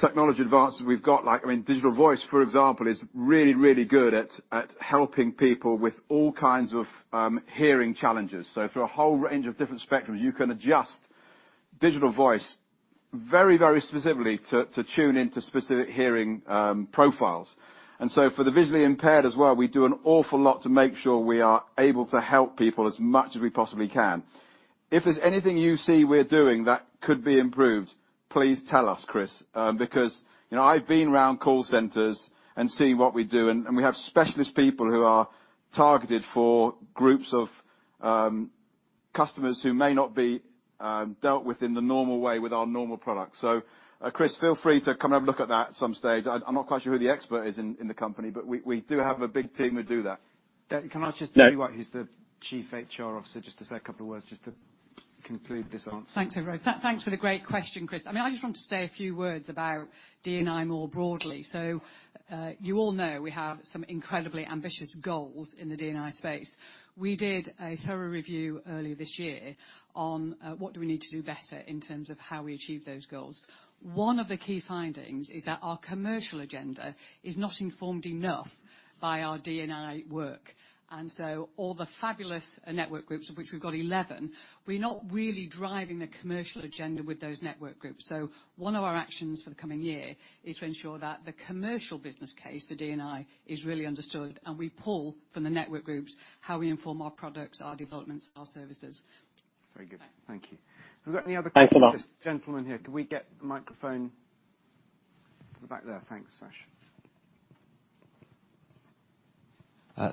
technology advances we've got, like, I mean, Digital Voice, for example, is really, really good at helping people with all kinds of hearing challenges. For a whole range of different spectrums, you can adjust Digital Voice very, very specifically to tune into specific hearing profiles. For the visually impaired as well, we do an awful lot to make sure we are able to help people as much as we possibly can. If there's anything you see we're doing that could be improved, please tell us, Chris. Because, you know, I've been around call centers and seen what we do, and we have specialist people who are targeted for groups of customers who may not be dealt with in the normal way with our normal products. Chris, feel free to come and have a look at that at some stage. I'm not quite sure who the expert is in the company, but we do have a big team who do that. Can I just- Yeah. Interrupt? She's the Chief HR Officer, just to say a couple of words just to conclude this answer. Thanks, everyone. Thanks for the great question, Chris. I mean, I just want to say a few words about D&I more broadly. You all know we have some incredibly ambitious goals in the D&I space. We did a thorough review earlier this year on what do we need to do better in terms of how we achieve those goals. One of the key findings is that our commercial agenda is not informed enough by our D&I work. All the fabulous network groups, of which we've got 11, we're not really driving the commercial agenda with those network groups. One of our actions for the coming year is to ensure that the commercial business case for D&I is really understood, and we pull from the network groups how we inform our products, our developments, our services. Very good. Thank you. Have we got any other questions? Thanks a lot. This gentleman here. Could we get the microphone to the back there? Thanks, Sash.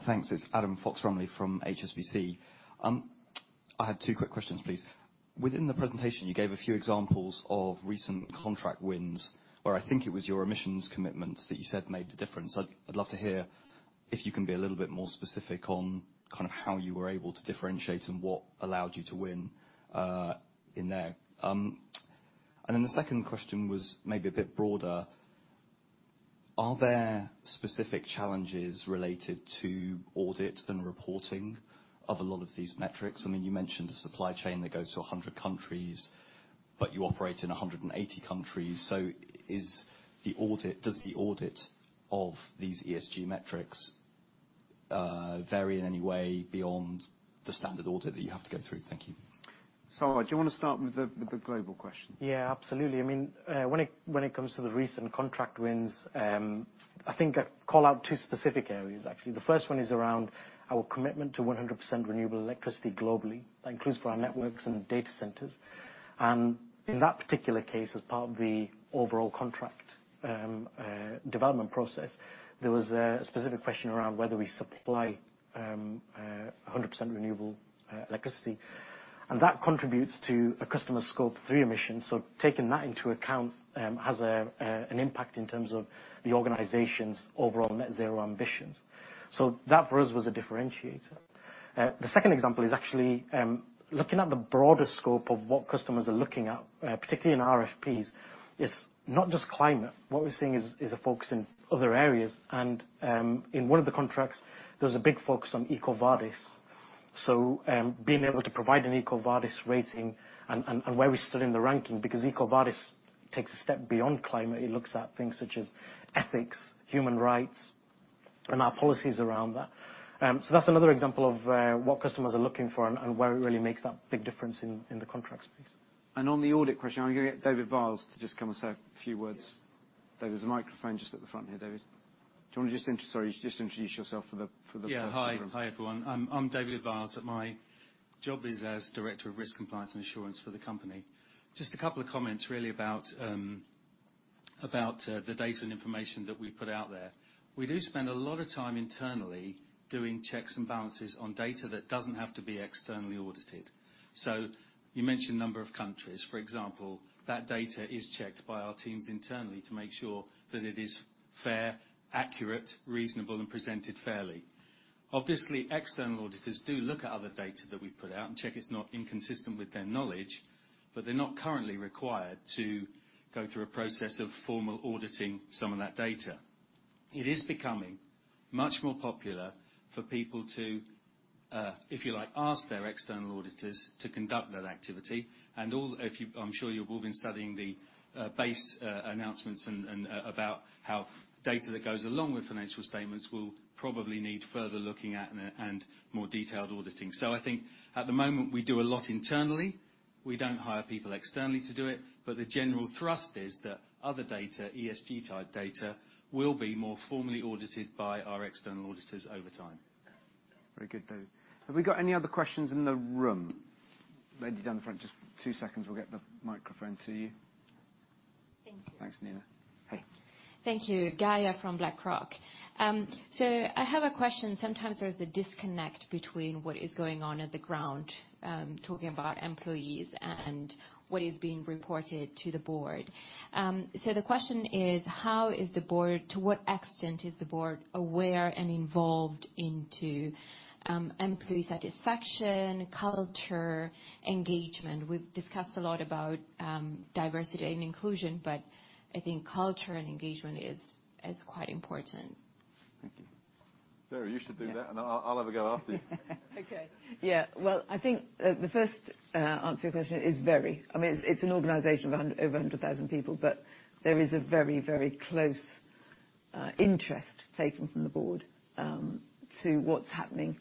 Thanks. It's Adam Fox-Rumley from HSBC. I had two quick questions, please. Within the presentation, you gave a few examples of recent contract wins where I think it was your emissions commitments that you said made the difference. I'd love to hear if you can be a little bit more specific on kind of how you were able to differentiate and what allowed you to win in there. The second question was maybe a bit broader. Are there specific challenges related to audit and reporting of a lot of these metrics? I mean, you mentioned a supply chain that goes to 100 countries, but you operate in 180 countries. Does the audit of these ESG metrics vary in any way beyond the standard audit that you have to go through? Thank you. Sarwar, do you wanna start with the global question? Yeah, absolutely. I mean, when it comes to the recent contract wins, I think I'd call out two specific areas, actually. First one is around our commitment to 100% renewable electricity globally. That includes for our networks and data centers. In that particular case, as part of the overall contract development process, there was a specific question around whether we supply 100% renewable electricity. That contributes to a customer's Scope 3 emissions. Taking that into account, has an impact in terms of the organization's overall net zero ambitions. That, for us, was a differentiator. Second example is actually looking at the broader scope of what customers are looking at, particularly in RFPs, is not just climate. What we're seeing is a focus in other areas. In one of the contracts, there was a big focus on EcoVadis. Being able to provide an EcoVadis rating and where we stood in the ranking, because EcoVadis takes a step beyond climate. It looks at things such as ethics, human rights, and our policies around that. That's another example of what customers are looking for and where it really makes that big difference in the contract space. On the audit question, I'm gonna get David Viles to just come and say a few words. David, there's a microphone just at the front here, David. Do you wanna just sorry, just introduce yourself for the folks in the room? Yeah. Hi, everyone. I'm David Viles, and my job is as Director of Risk, Compliance, and Assurance for the company. Just a couple of comments really about the data and information that we put out there. We do spend a lot of time internally doing checks and balances on data that doesn't have to be externally audited. You mentioned number of countries, for example. That data is checked by our teams internally to make sure that it is fair, accurate, reasonable, and presented fairly. Obviously, external auditors do look at other data that we put out and check it's not inconsistent with their knowledge, but they're not currently required to go through a process of formal auditing some of that data. It is becoming much more popular for people to, if you like, ask their external auditors to conduct that activity. I'm sure you've all been studying the base announcements about how data that goes along with financial statements will probably need further looking at and more detailed auditing. I think at the moment, we do a lot internally. We don't hire people externally to do it, but the general thrust is that other data, ESG-type data, will be more formally audited by our external auditors over time. Very good, David. Have we got any other questions in the room? Lady down the front, just two seconds, we'll get the microphone to you. Thank you. Thanks, Gaia. Hey. Thank you. Gaia from BlackRock. I have a question. Sometimes there's a disconnect between what is going on at the ground, talking about employees, and what is being reported to the board. The question is: How is the board, to what extent is the board aware and involved into employee satisfaction, culture, engagement? We've discussed a lot about diversity and inclusion, but I think culture and engagement is quite important. Thank you. Sara, you should do that. Yeah. I'll have a go after you. Okay. Yeah. I think the first answer to your question is very. I mean, it's an organization of over 100,000 people, there is a very, very close interest taken from the board to what's happening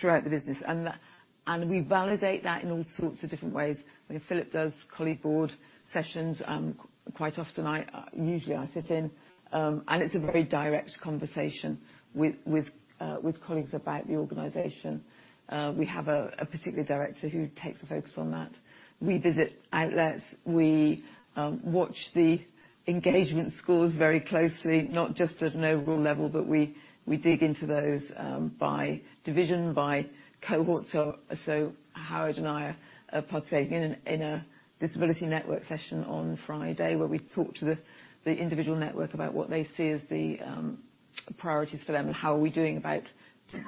throughout the business. We validate that in all sorts of different ways. I mean, Philip does colleague board sessions. Quite often, usually I sit in, it's a very direct conversation with colleagues about the organization. We have a particular director who takes a focus on that. We visit outlets. We watch the engagement scores very closely, not just at an overall level, we dig into those by division, by cohort. Howard and I are participating in a disability network session on Friday, where we talk to the individual network about what they see as the priorities for them and how are we doing about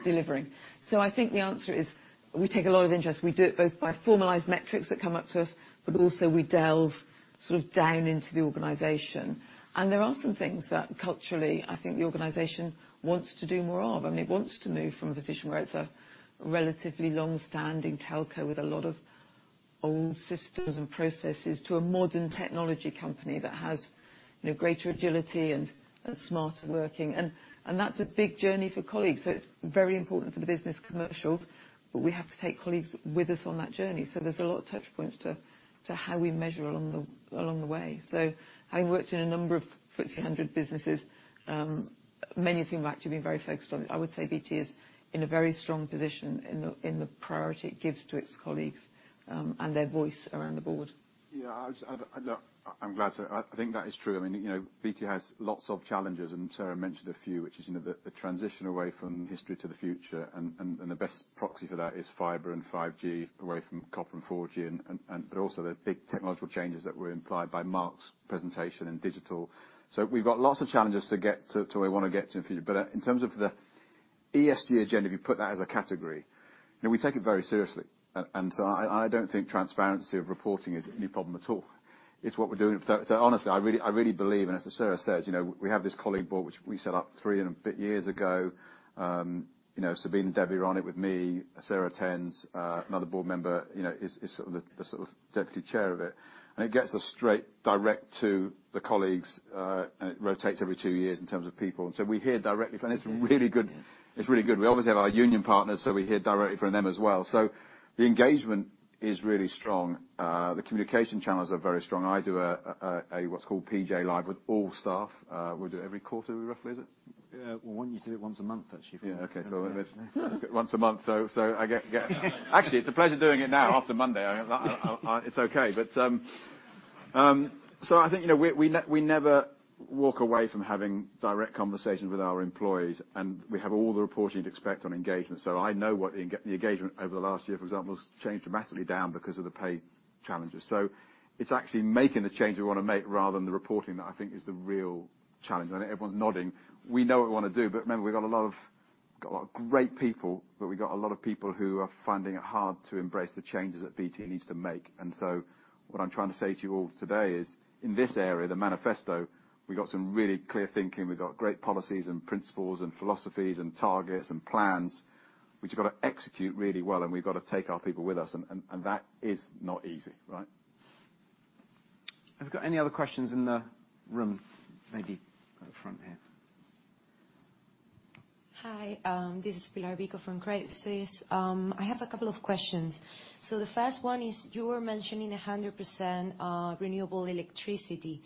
delivering. I think the answer is we take a lot of interest. We do it both by formalized metrics that come up to us, but also we delve sort of down into the organization. There are some things that culturally I think the organization wants to do more of. I mean, it wants to move from a position where it's a relatively long-standing telco with a lot of old systems and processes to a modern technology company that has, you know, greater agility and smarter working. That's a big journey for colleagues, so it's very important for the business commercials, but we have to take colleagues with us on that journey. There's a lot of touch points to how we measure along the, along the way. Having worked in a number of FTSE 100 businesses, many of whom actually being very focused on, I would say BT is in a very strong position in the, in the priority it gives to its colleagues, and their voice around the board. Yeah, I just, I'd, I'm glad. I think that is true. I mean, you know, BT has lots of challenges, and Sara mentioned a few, which is, you know, the transition away from history to the future and the best proxy for that is fiber and 5G away from copper and 4G. Also the big technological changes that were implied by Mark's presentation in Digital. We've got lots of challenges to get to where we wanna get to in future. In terms of the ESG agenda, if you put that as a category, you know, we take it very seriously. I don't think transparency of reporting is any problem at all. It's what we're doing. Honestly, I really believe, and as Sara says, you know, we have this colleague board which we set up three and a bit years ago. You know, Sabine and Debbie are on it with me. Sara attends. Another board member, you know, is sort of the sort of deputy chair of it. It gets us straight direct to the colleagues, and it rotates every two years in terms of people. We hear directly, and it's really good. It's really good. We obviously have our union partners, so we hear directly from them as well. The engagement is really strong. The communication channels are very strong. I do a what's called PJ Live with all staff, we do every quarter, roughly, is it? Yeah. Well, we want you to do it once a month actually. Yeah. Okay. Once a month. I get... Actually, it's a pleasure doing it now after Monday. I... It's okay. I think, you know, we never walk away from having direct conversations with our employees, and we have all the reporting you'd expect on engagement. I know what the engagement over the last year, for example, has changed dramatically down because of the pay challenges. It's actually making the change we wanna make rather than the reporting that I think is the real challenge. I know everyone's nodding. We know what we wanna do, remember, we've got a lot of great people, but we've got a lot of people who are finding it hard to embrace the changes that BT needs to make. What I'm trying to say to you all today is in this area, the Manifesto, we've got some really clear thinking. We've got great policies and principles and philosophies and targets and plans, which we've gotta execute really well, and we've gotta take our people with us, and that is not easy, right? Have we got any other questions in the room? Maybe at the front here. Hi, this is Pilar Vico from Credit Suisse. I have a couple of questions. The first one is, you were mentioning 100% renewable electricity,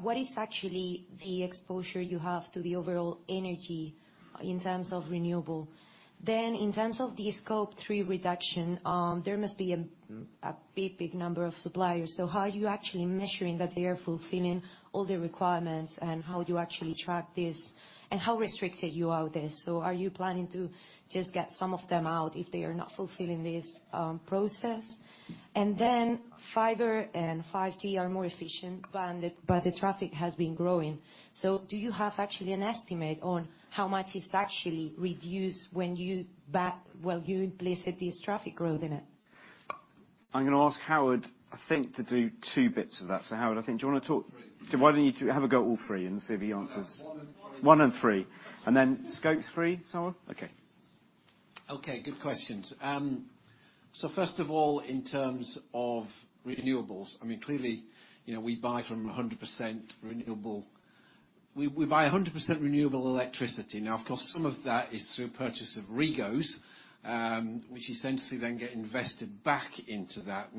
what is actually the exposure you have to the overall energy in terms of renewable? In terms of the Scope three reduction, there must be a big number of suppliers, how are you actually measuring that they are fulfilling all the requirements, and how do you actually track this, and how restricted you are there? Are you planning to just get some of them out if they are not fulfilling this process? Fiber and 5G are more efficient, the traffic has been growing. Do you have actually an estimate on how much it's actually reduced while you implicit this traffic growth in it? I'm gonna ask Howard, I think, to do two bits of that. Howard, I think, do you wanna talk? Three. Why don't you have a go at all three and see if he answers. One and three. one and three. Then Scope three, someone? Okay. Okay, good questions. First of all, in terms of renewables, I mean, clearly, you know, we buy 100% renewable electricity. Of course, some of that is through purchase of REGOs, which essentially then get invested back into that.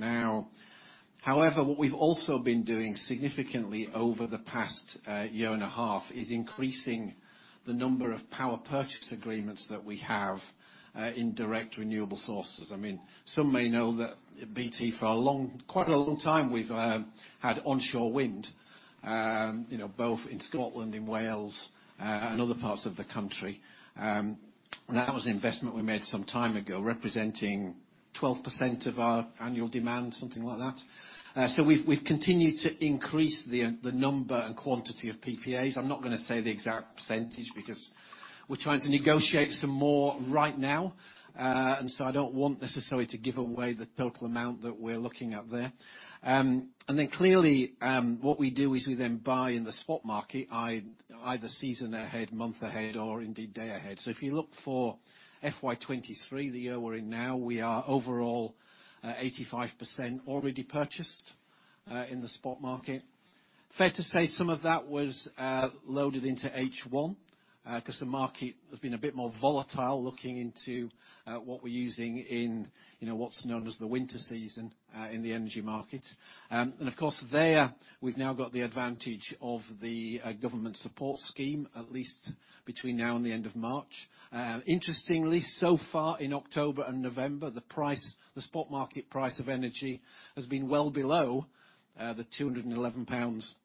However, what we've also been doing significantly over the past year and a half is increasing the number of power purchase agreements that we have in direct renewable sources. I mean, some may know that BT, for a long, quite a long time, we've had onshore wind, you know, both in Scotland and Wales and other parts of the country. That was an investment we made some time ago, representing 12% of our annual demand, something like that. We've continued to increase the number and quantity of PPAs. I'm not gonna say the exact percentage because we're trying to negotiate some more right now, and so I don't want necessarily to give away the total amount that we're looking at there. Then clearly, what we do is we then buy in the spot market, either season ahead, month ahead, or indeed day ahead. If you look for FY 2023, the year we're in now, we are overall, 85% already purchased in the spot market. Fair to say some of that was loaded into H1, 'cause the market has been a bit more volatile looking into what we're using in, you know, what's known as the winter season in the energy market. Of course there, we've now got the advantage of the government support scheme, at least between now and the end of March. Interestingly, so far in October and November, the price, the spot market price of energy has been well below 211 pounds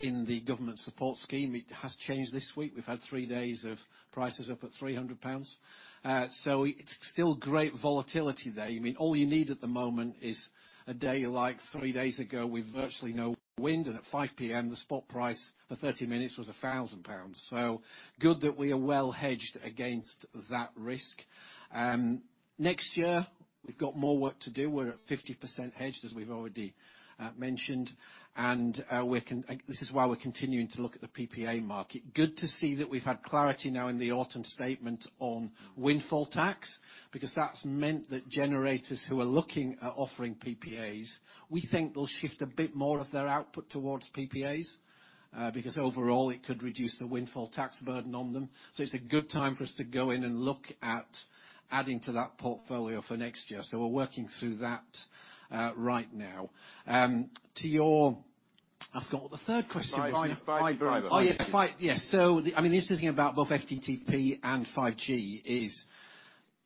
in the government support scheme. It has changed this week. We've had three days of prices up at 300 pounds. It's still great volatility there. You mean, all you need at the moment is a day like three days ago with virtually no wind, and at 5:00 P.M., the spot price for 30 minutes was 1,000 pounds. Good that we are well hedged against that risk. Next year, we've got more work to do. We're at 50% hedged, as we've already mentioned. This is why we're continuing to look at the PPA market. Good to see that we've had clarity now in the autumn statement on windfall tax, because that's meant that generators who are looking at offering PPAs, we think will shift a bit more of their output towards PPAs, because overall it could reduce the windfall tax burden on them. It's a good time for us to go in and look at adding to that portfolio for next year. We're working through that right now. I've forgot what the third question is now. Five, five, fiber optic. Oh, yeah. Five. Yes. I mean, the interesting thing about both FTTP and 5G is,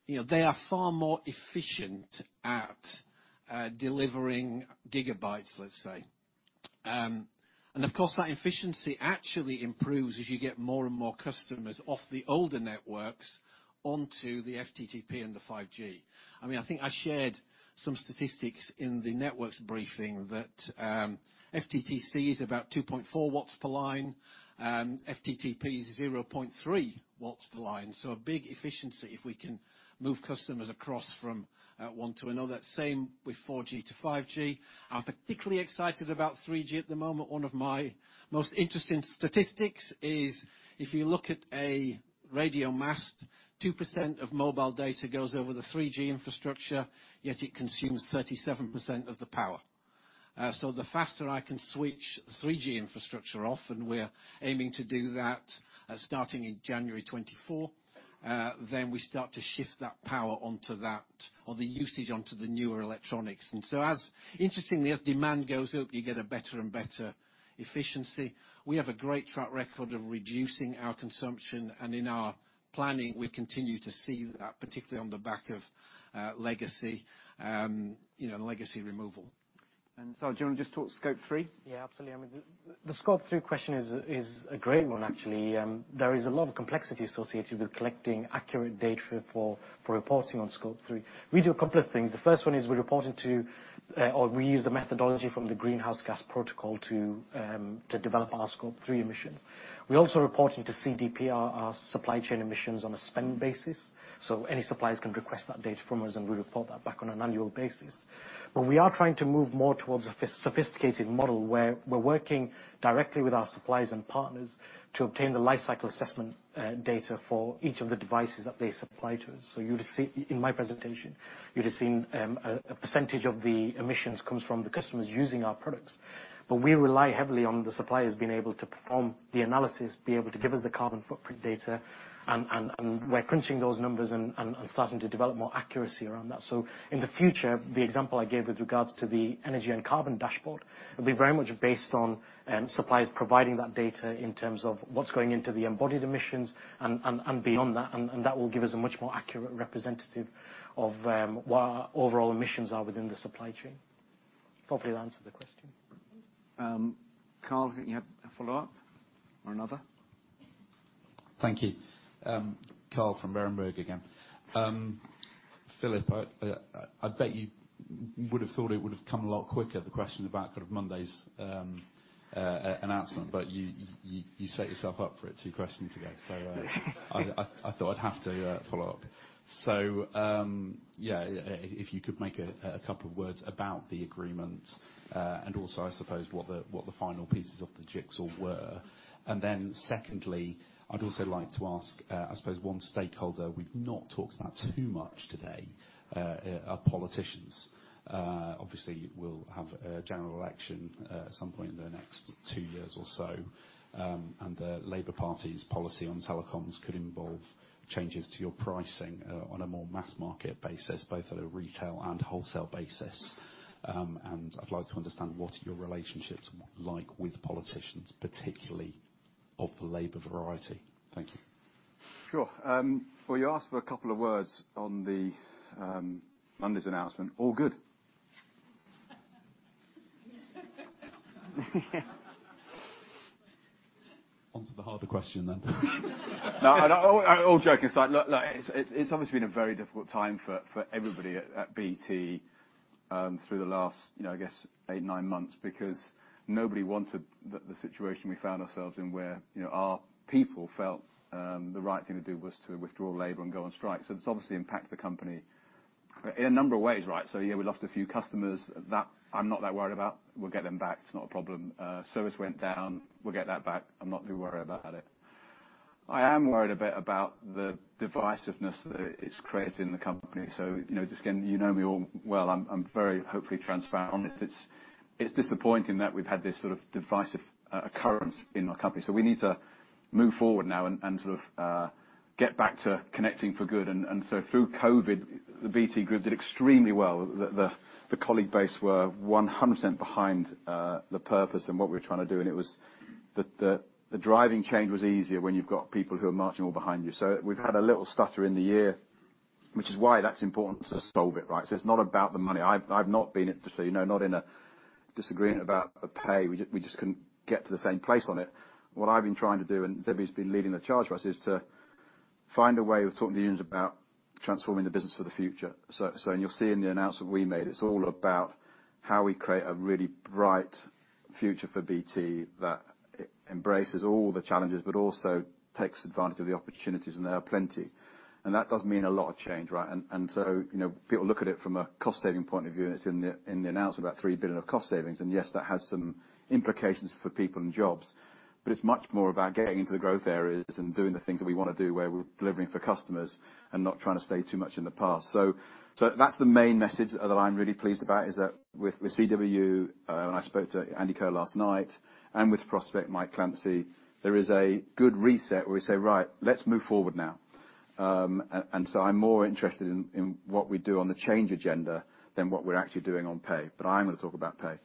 you know, they are far more efficient at delivering GB, let's say. Of course, that efficiency actually improves as you get more and more customers off the older networks onto the FTTP and the 5G. I think I shared some statistics in the networks briefing that FTTC is about 2.4 watts per line, FTTP is 0.3 watts per line. A big efficiency if we can move customers across from one to another. Same with 4G to 5G. I'm particularly excited about 3G at the moment. One of my most interesting statistics is if you look at a radio mast, 2% of mobile data goes over the 3G infrastructure, yet it consumes 37% of the power. The faster I can switch 3G infrastructure off, and we're aiming to do that, starting in January 2024, then we start to shift that power onto that, or the usage onto the newer electronics. As, interestingly, as demand goes up, you get a better and better efficiency. We have a great track record of reducing our consumption, in our planning, we continue to see that, particularly on the back of legacy, you know, legacy removal. Sarwar, do you wanna just talk Scope three? Yeah, absolutely. I mean, the Scope three question is a great one actually. There is a lot of complexity associated with collecting accurate data for reporting on Scope three. We do a couple of things. The first one is we're reporting to, or we use the methodology from the Greenhouse Gas Protocol to develop our Scope three emissions. We're also reporting to CDP our supply chain emissions on a spend basis. Any suppliers can request that data from us, and we report that back on an annual basis. We are trying to move more towards a sophisticated model, where we're working directly with our suppliers and partners to obtain the lifecycle assessment data for each of the devices that they supply to us. You'll see, in my presentation, you'd have seen, a percentage of the emissions comes from the customers using our products. We rely heavily on the suppliers being able to perform the analysis, be able to give us the carbon footprint data, and we're crunching those numbers and starting to develop more accuracy around that. In the future, the example I gave with regards to the energy and carbon dashboard, it'll be very much based on suppliers providing that data in terms of what's going into the embodied emissions and beyond that. That will give us a much more accurate representative of what our overall emissions are within the supply chain. Hopefully that answered the question. Carl, I think you had a follow-up or another. Thank you. Carl from Berenberg again. Philip, I bet you would've thought it would've come a lot quicker, the question about kind of Monday's announcement, but you set yourself up for it two questions ago. I thought I'd have to follow up. Yeah, if you could make a couple of words about the agreement, and also, I suppose, what the final pieces of the jigsaw were. Secondly, I'd also like to ask, I suppose one stakeholder we've not talked about too much today, are politicians. Obviously we'll have a general election, some point in the next two years or so. The Labour Party's policy on telecoms could involve changes to your pricing, on a more mass market basis, both at a retail and wholesale basis. I'd like to understand what are your relationships like with politicians, particularly of the Labour variety. Thank you. Sure. Well, you asked for a couple of words on the Monday's announcement. All good. On to the harder question then. No, all joking aside. Look, it's obviously been a very difficult time for everybody at BT through the last, you know, I guess eight, nine months because nobody wanted the situation we found ourselves in where, you know, our people felt the right thing to do was to withdraw labor and go on strike. It's obviously impacted the company in a number of ways, right? Yeah, we lost a few customers. That I'm not that worried about. We'll get them back. It's not a problem. Service went down. We'll get that back. I'm not too worried about it. I am worried a bit about the divisiveness that it's created in the company. You know, just, again, you know me all well. I'm very, hopefully, transparent. It's disappointing that we've had this sort of divisive occurrence in our company. We need to move forward now and sort of get back to connecting for good. Through COVID, the BT Group did extremely well. The colleague base were 100% behind the purpose and what we were trying to do. The driving change was easier when you've got people who are marching all behind you. We've had a little stutter in the year, which is why that's important to solve it, right? It's not about the money. I've not been, just so you know, not in a disagreement about the pay. We just couldn't get to the same place on it. What I've been trying to do, Debbie's been leading the charge for us, is to find a way of talking to unions about transforming the business for the future. You'll see in the announcement we made, it's all about how we create a really bright future for BT that embraces all the challenges, but also takes advantage of the opportunities, and there are plenty. That does mean a lot of change, right? So, you know, people look at it from a cost-saving point of view, and it's in the, in the announcement about 3 billion of cost savings. Yes, that has some implications for people and jobs, but it's much more about getting into the growth areas and doing the things that we wanna do, where we're delivering for customers and not trying to stay too much in the past. That's the main message that I'm really pleased about, is that with CWU, and I spoke to Andy Kerr last night, and with Prospect, Mike Clancy, there is a good reset where we say, "Right, let's move forward now." And I'm more interested in what we do on the change agenda than what we're actually doing on pay, but I am gonna talk about pay.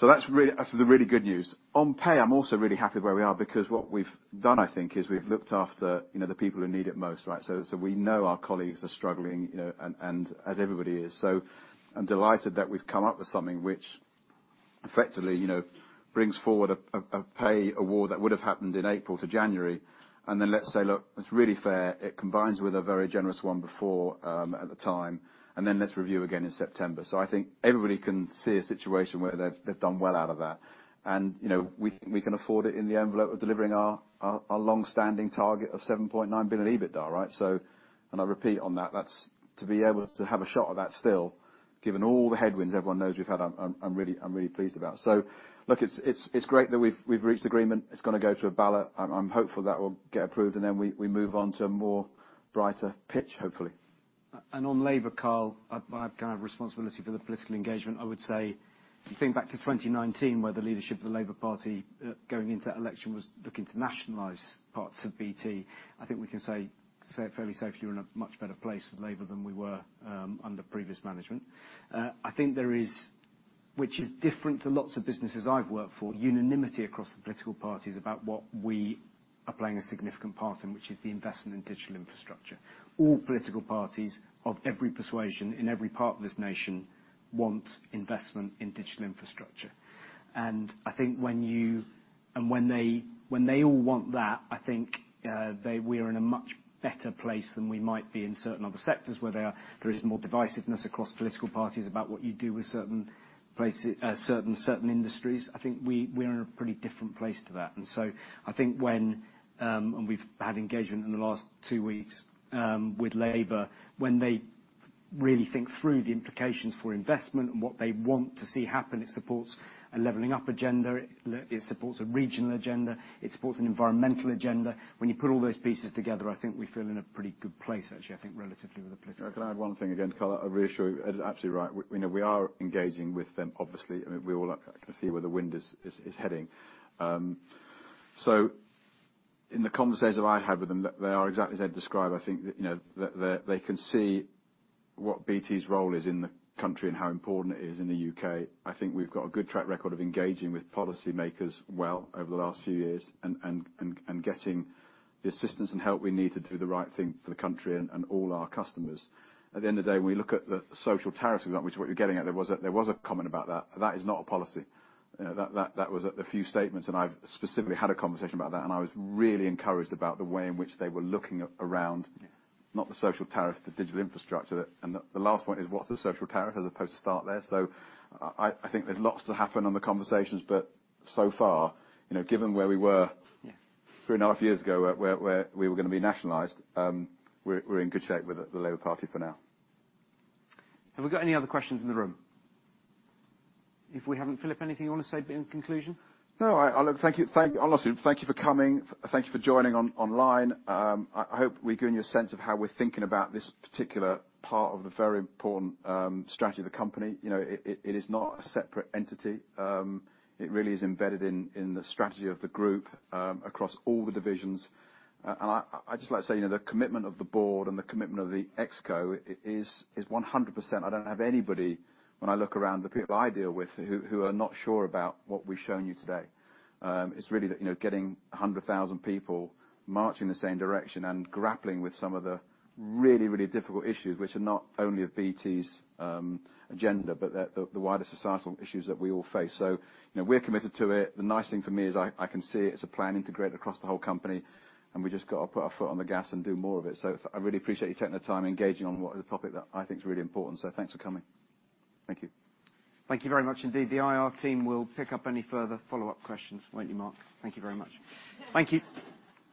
That's really, that's the really good news. On pay, I'm also really happy where we are because what we've done, I think, is we've looked after, you know, the people who need it most, right? We know our colleagues are struggling, you know, and as everybody is. I'm delighted that we've come up with something which Effectively, you know, brings forward a pay award that would've happened in April to January. let's say, "Look, it's really fair. It combines with a very generous one before, at the time, and then let's review again in September." I think everybody can see a situation where they've done well out of that. And, you know, we can afford it in the envelope of delivering our long-standing target of 7.9 billion EBITDA, right? I repeat on that's to be able to have a shot of that still, given all the headwinds everyone knows we've had, I'm really pleased about. look, it's great that we've reached agreement. It's gonna go to a ballot. I'm hopeful that will get approved, and then we move on to a more brighter pitch, hopefully. on Labour, Carl, I've kind of responsibility for the political engagement. I would say if you think back to 2019 where the leadership of the Labour Party going into that election was looking to nationalize parts of BT, I think we can say it fairly safely we're in a much better place with Labour than we were under previous management. I think there is, which is different to lots of businesses I've worked for, unanimity across the political parties about what we are playing a significant part in, which is the investment in digital infrastructure. All political parties of every persuasion in every part of this nation want investment in digital infrastructure. I think when you... When they all want that, I think, we are in a much better place than we might be in certain other sectors where there is more divisiveness across political parties about what you do with certain places, certain industries. I think we are in a pretty different place to that. I think when we've had engagement in the last two weeks with Labour, when they really think through the implications for investment and what they want to see happen, it supports a leveling up agenda. It supports a regional agenda. It supports an environmental agenda. When you put all those pieces together, I think we feel in a pretty good place, actually, relatively with the political. Can I add one thing again, Carl? I reassure you, Ed is absolutely right. We, you know, we are engaging with them, obviously. I mean, we all can see where the wind is heading. In the conversations I've had with them, they are exactly as Ed described. I think that, you know, that they can see what BT's role is in the country and how important it is in the U.K. I think we've got a good track record of engaging with policy makers well over the last few years and getting the assistance and help we need to do the right thing for the country and all our customers. At the end of the day, when we look at the social tariff, which is what you're getting at, there was a comment about that. That is not a policy. You know, that was a few statements, and I've specifically had a conversation about that, and I was really encouraged about the way in which they were looking around, not the social tariff, the digital infrastructure. The last point is what's a social tariff as opposed to start there? I think there's lots to happen on the conversations, but so far, you know, given where we were- Yeah 3.5 years ago, where we were gonna be nationalized, we're in good shape with the Labour Party for now. Have we got any other questions in the room? If we haven't, Philip, anything you wanna say in conclusion? No. I look, thank you. Thank you for coming. Thank you for joining online. I hope we've given you a sense of how we're thinking about this particular part of the very important strategy of the company. You know, it is not a separate entity. It really is embedded in the strategy of the Group across all the divisions. I just like to say, you know, the commitment of the board and the commitment of the ExCo is 100%. I don't have anybody when I look around, the people I deal with who are not sure about what we've shown you today. It's really the, you know, getting 100,000 people marching the same direction and grappling with some of the really, really difficult issues, which are not only of BT's agenda, but the wider societal issues that we all face. You know, we're committed to it. The nice thing for me is I can see it as a plan integrated across the whole company, and we just gotta put our foot on the gas and do more of it. I really appreciate you taking the time, engaging on what is a topic that I think is really important. Thanks for coming. Thank you. Thank you very much indeed. The IR team will pick up any further follow-up questions, won't you, Mark? Thank you very much. Thank you.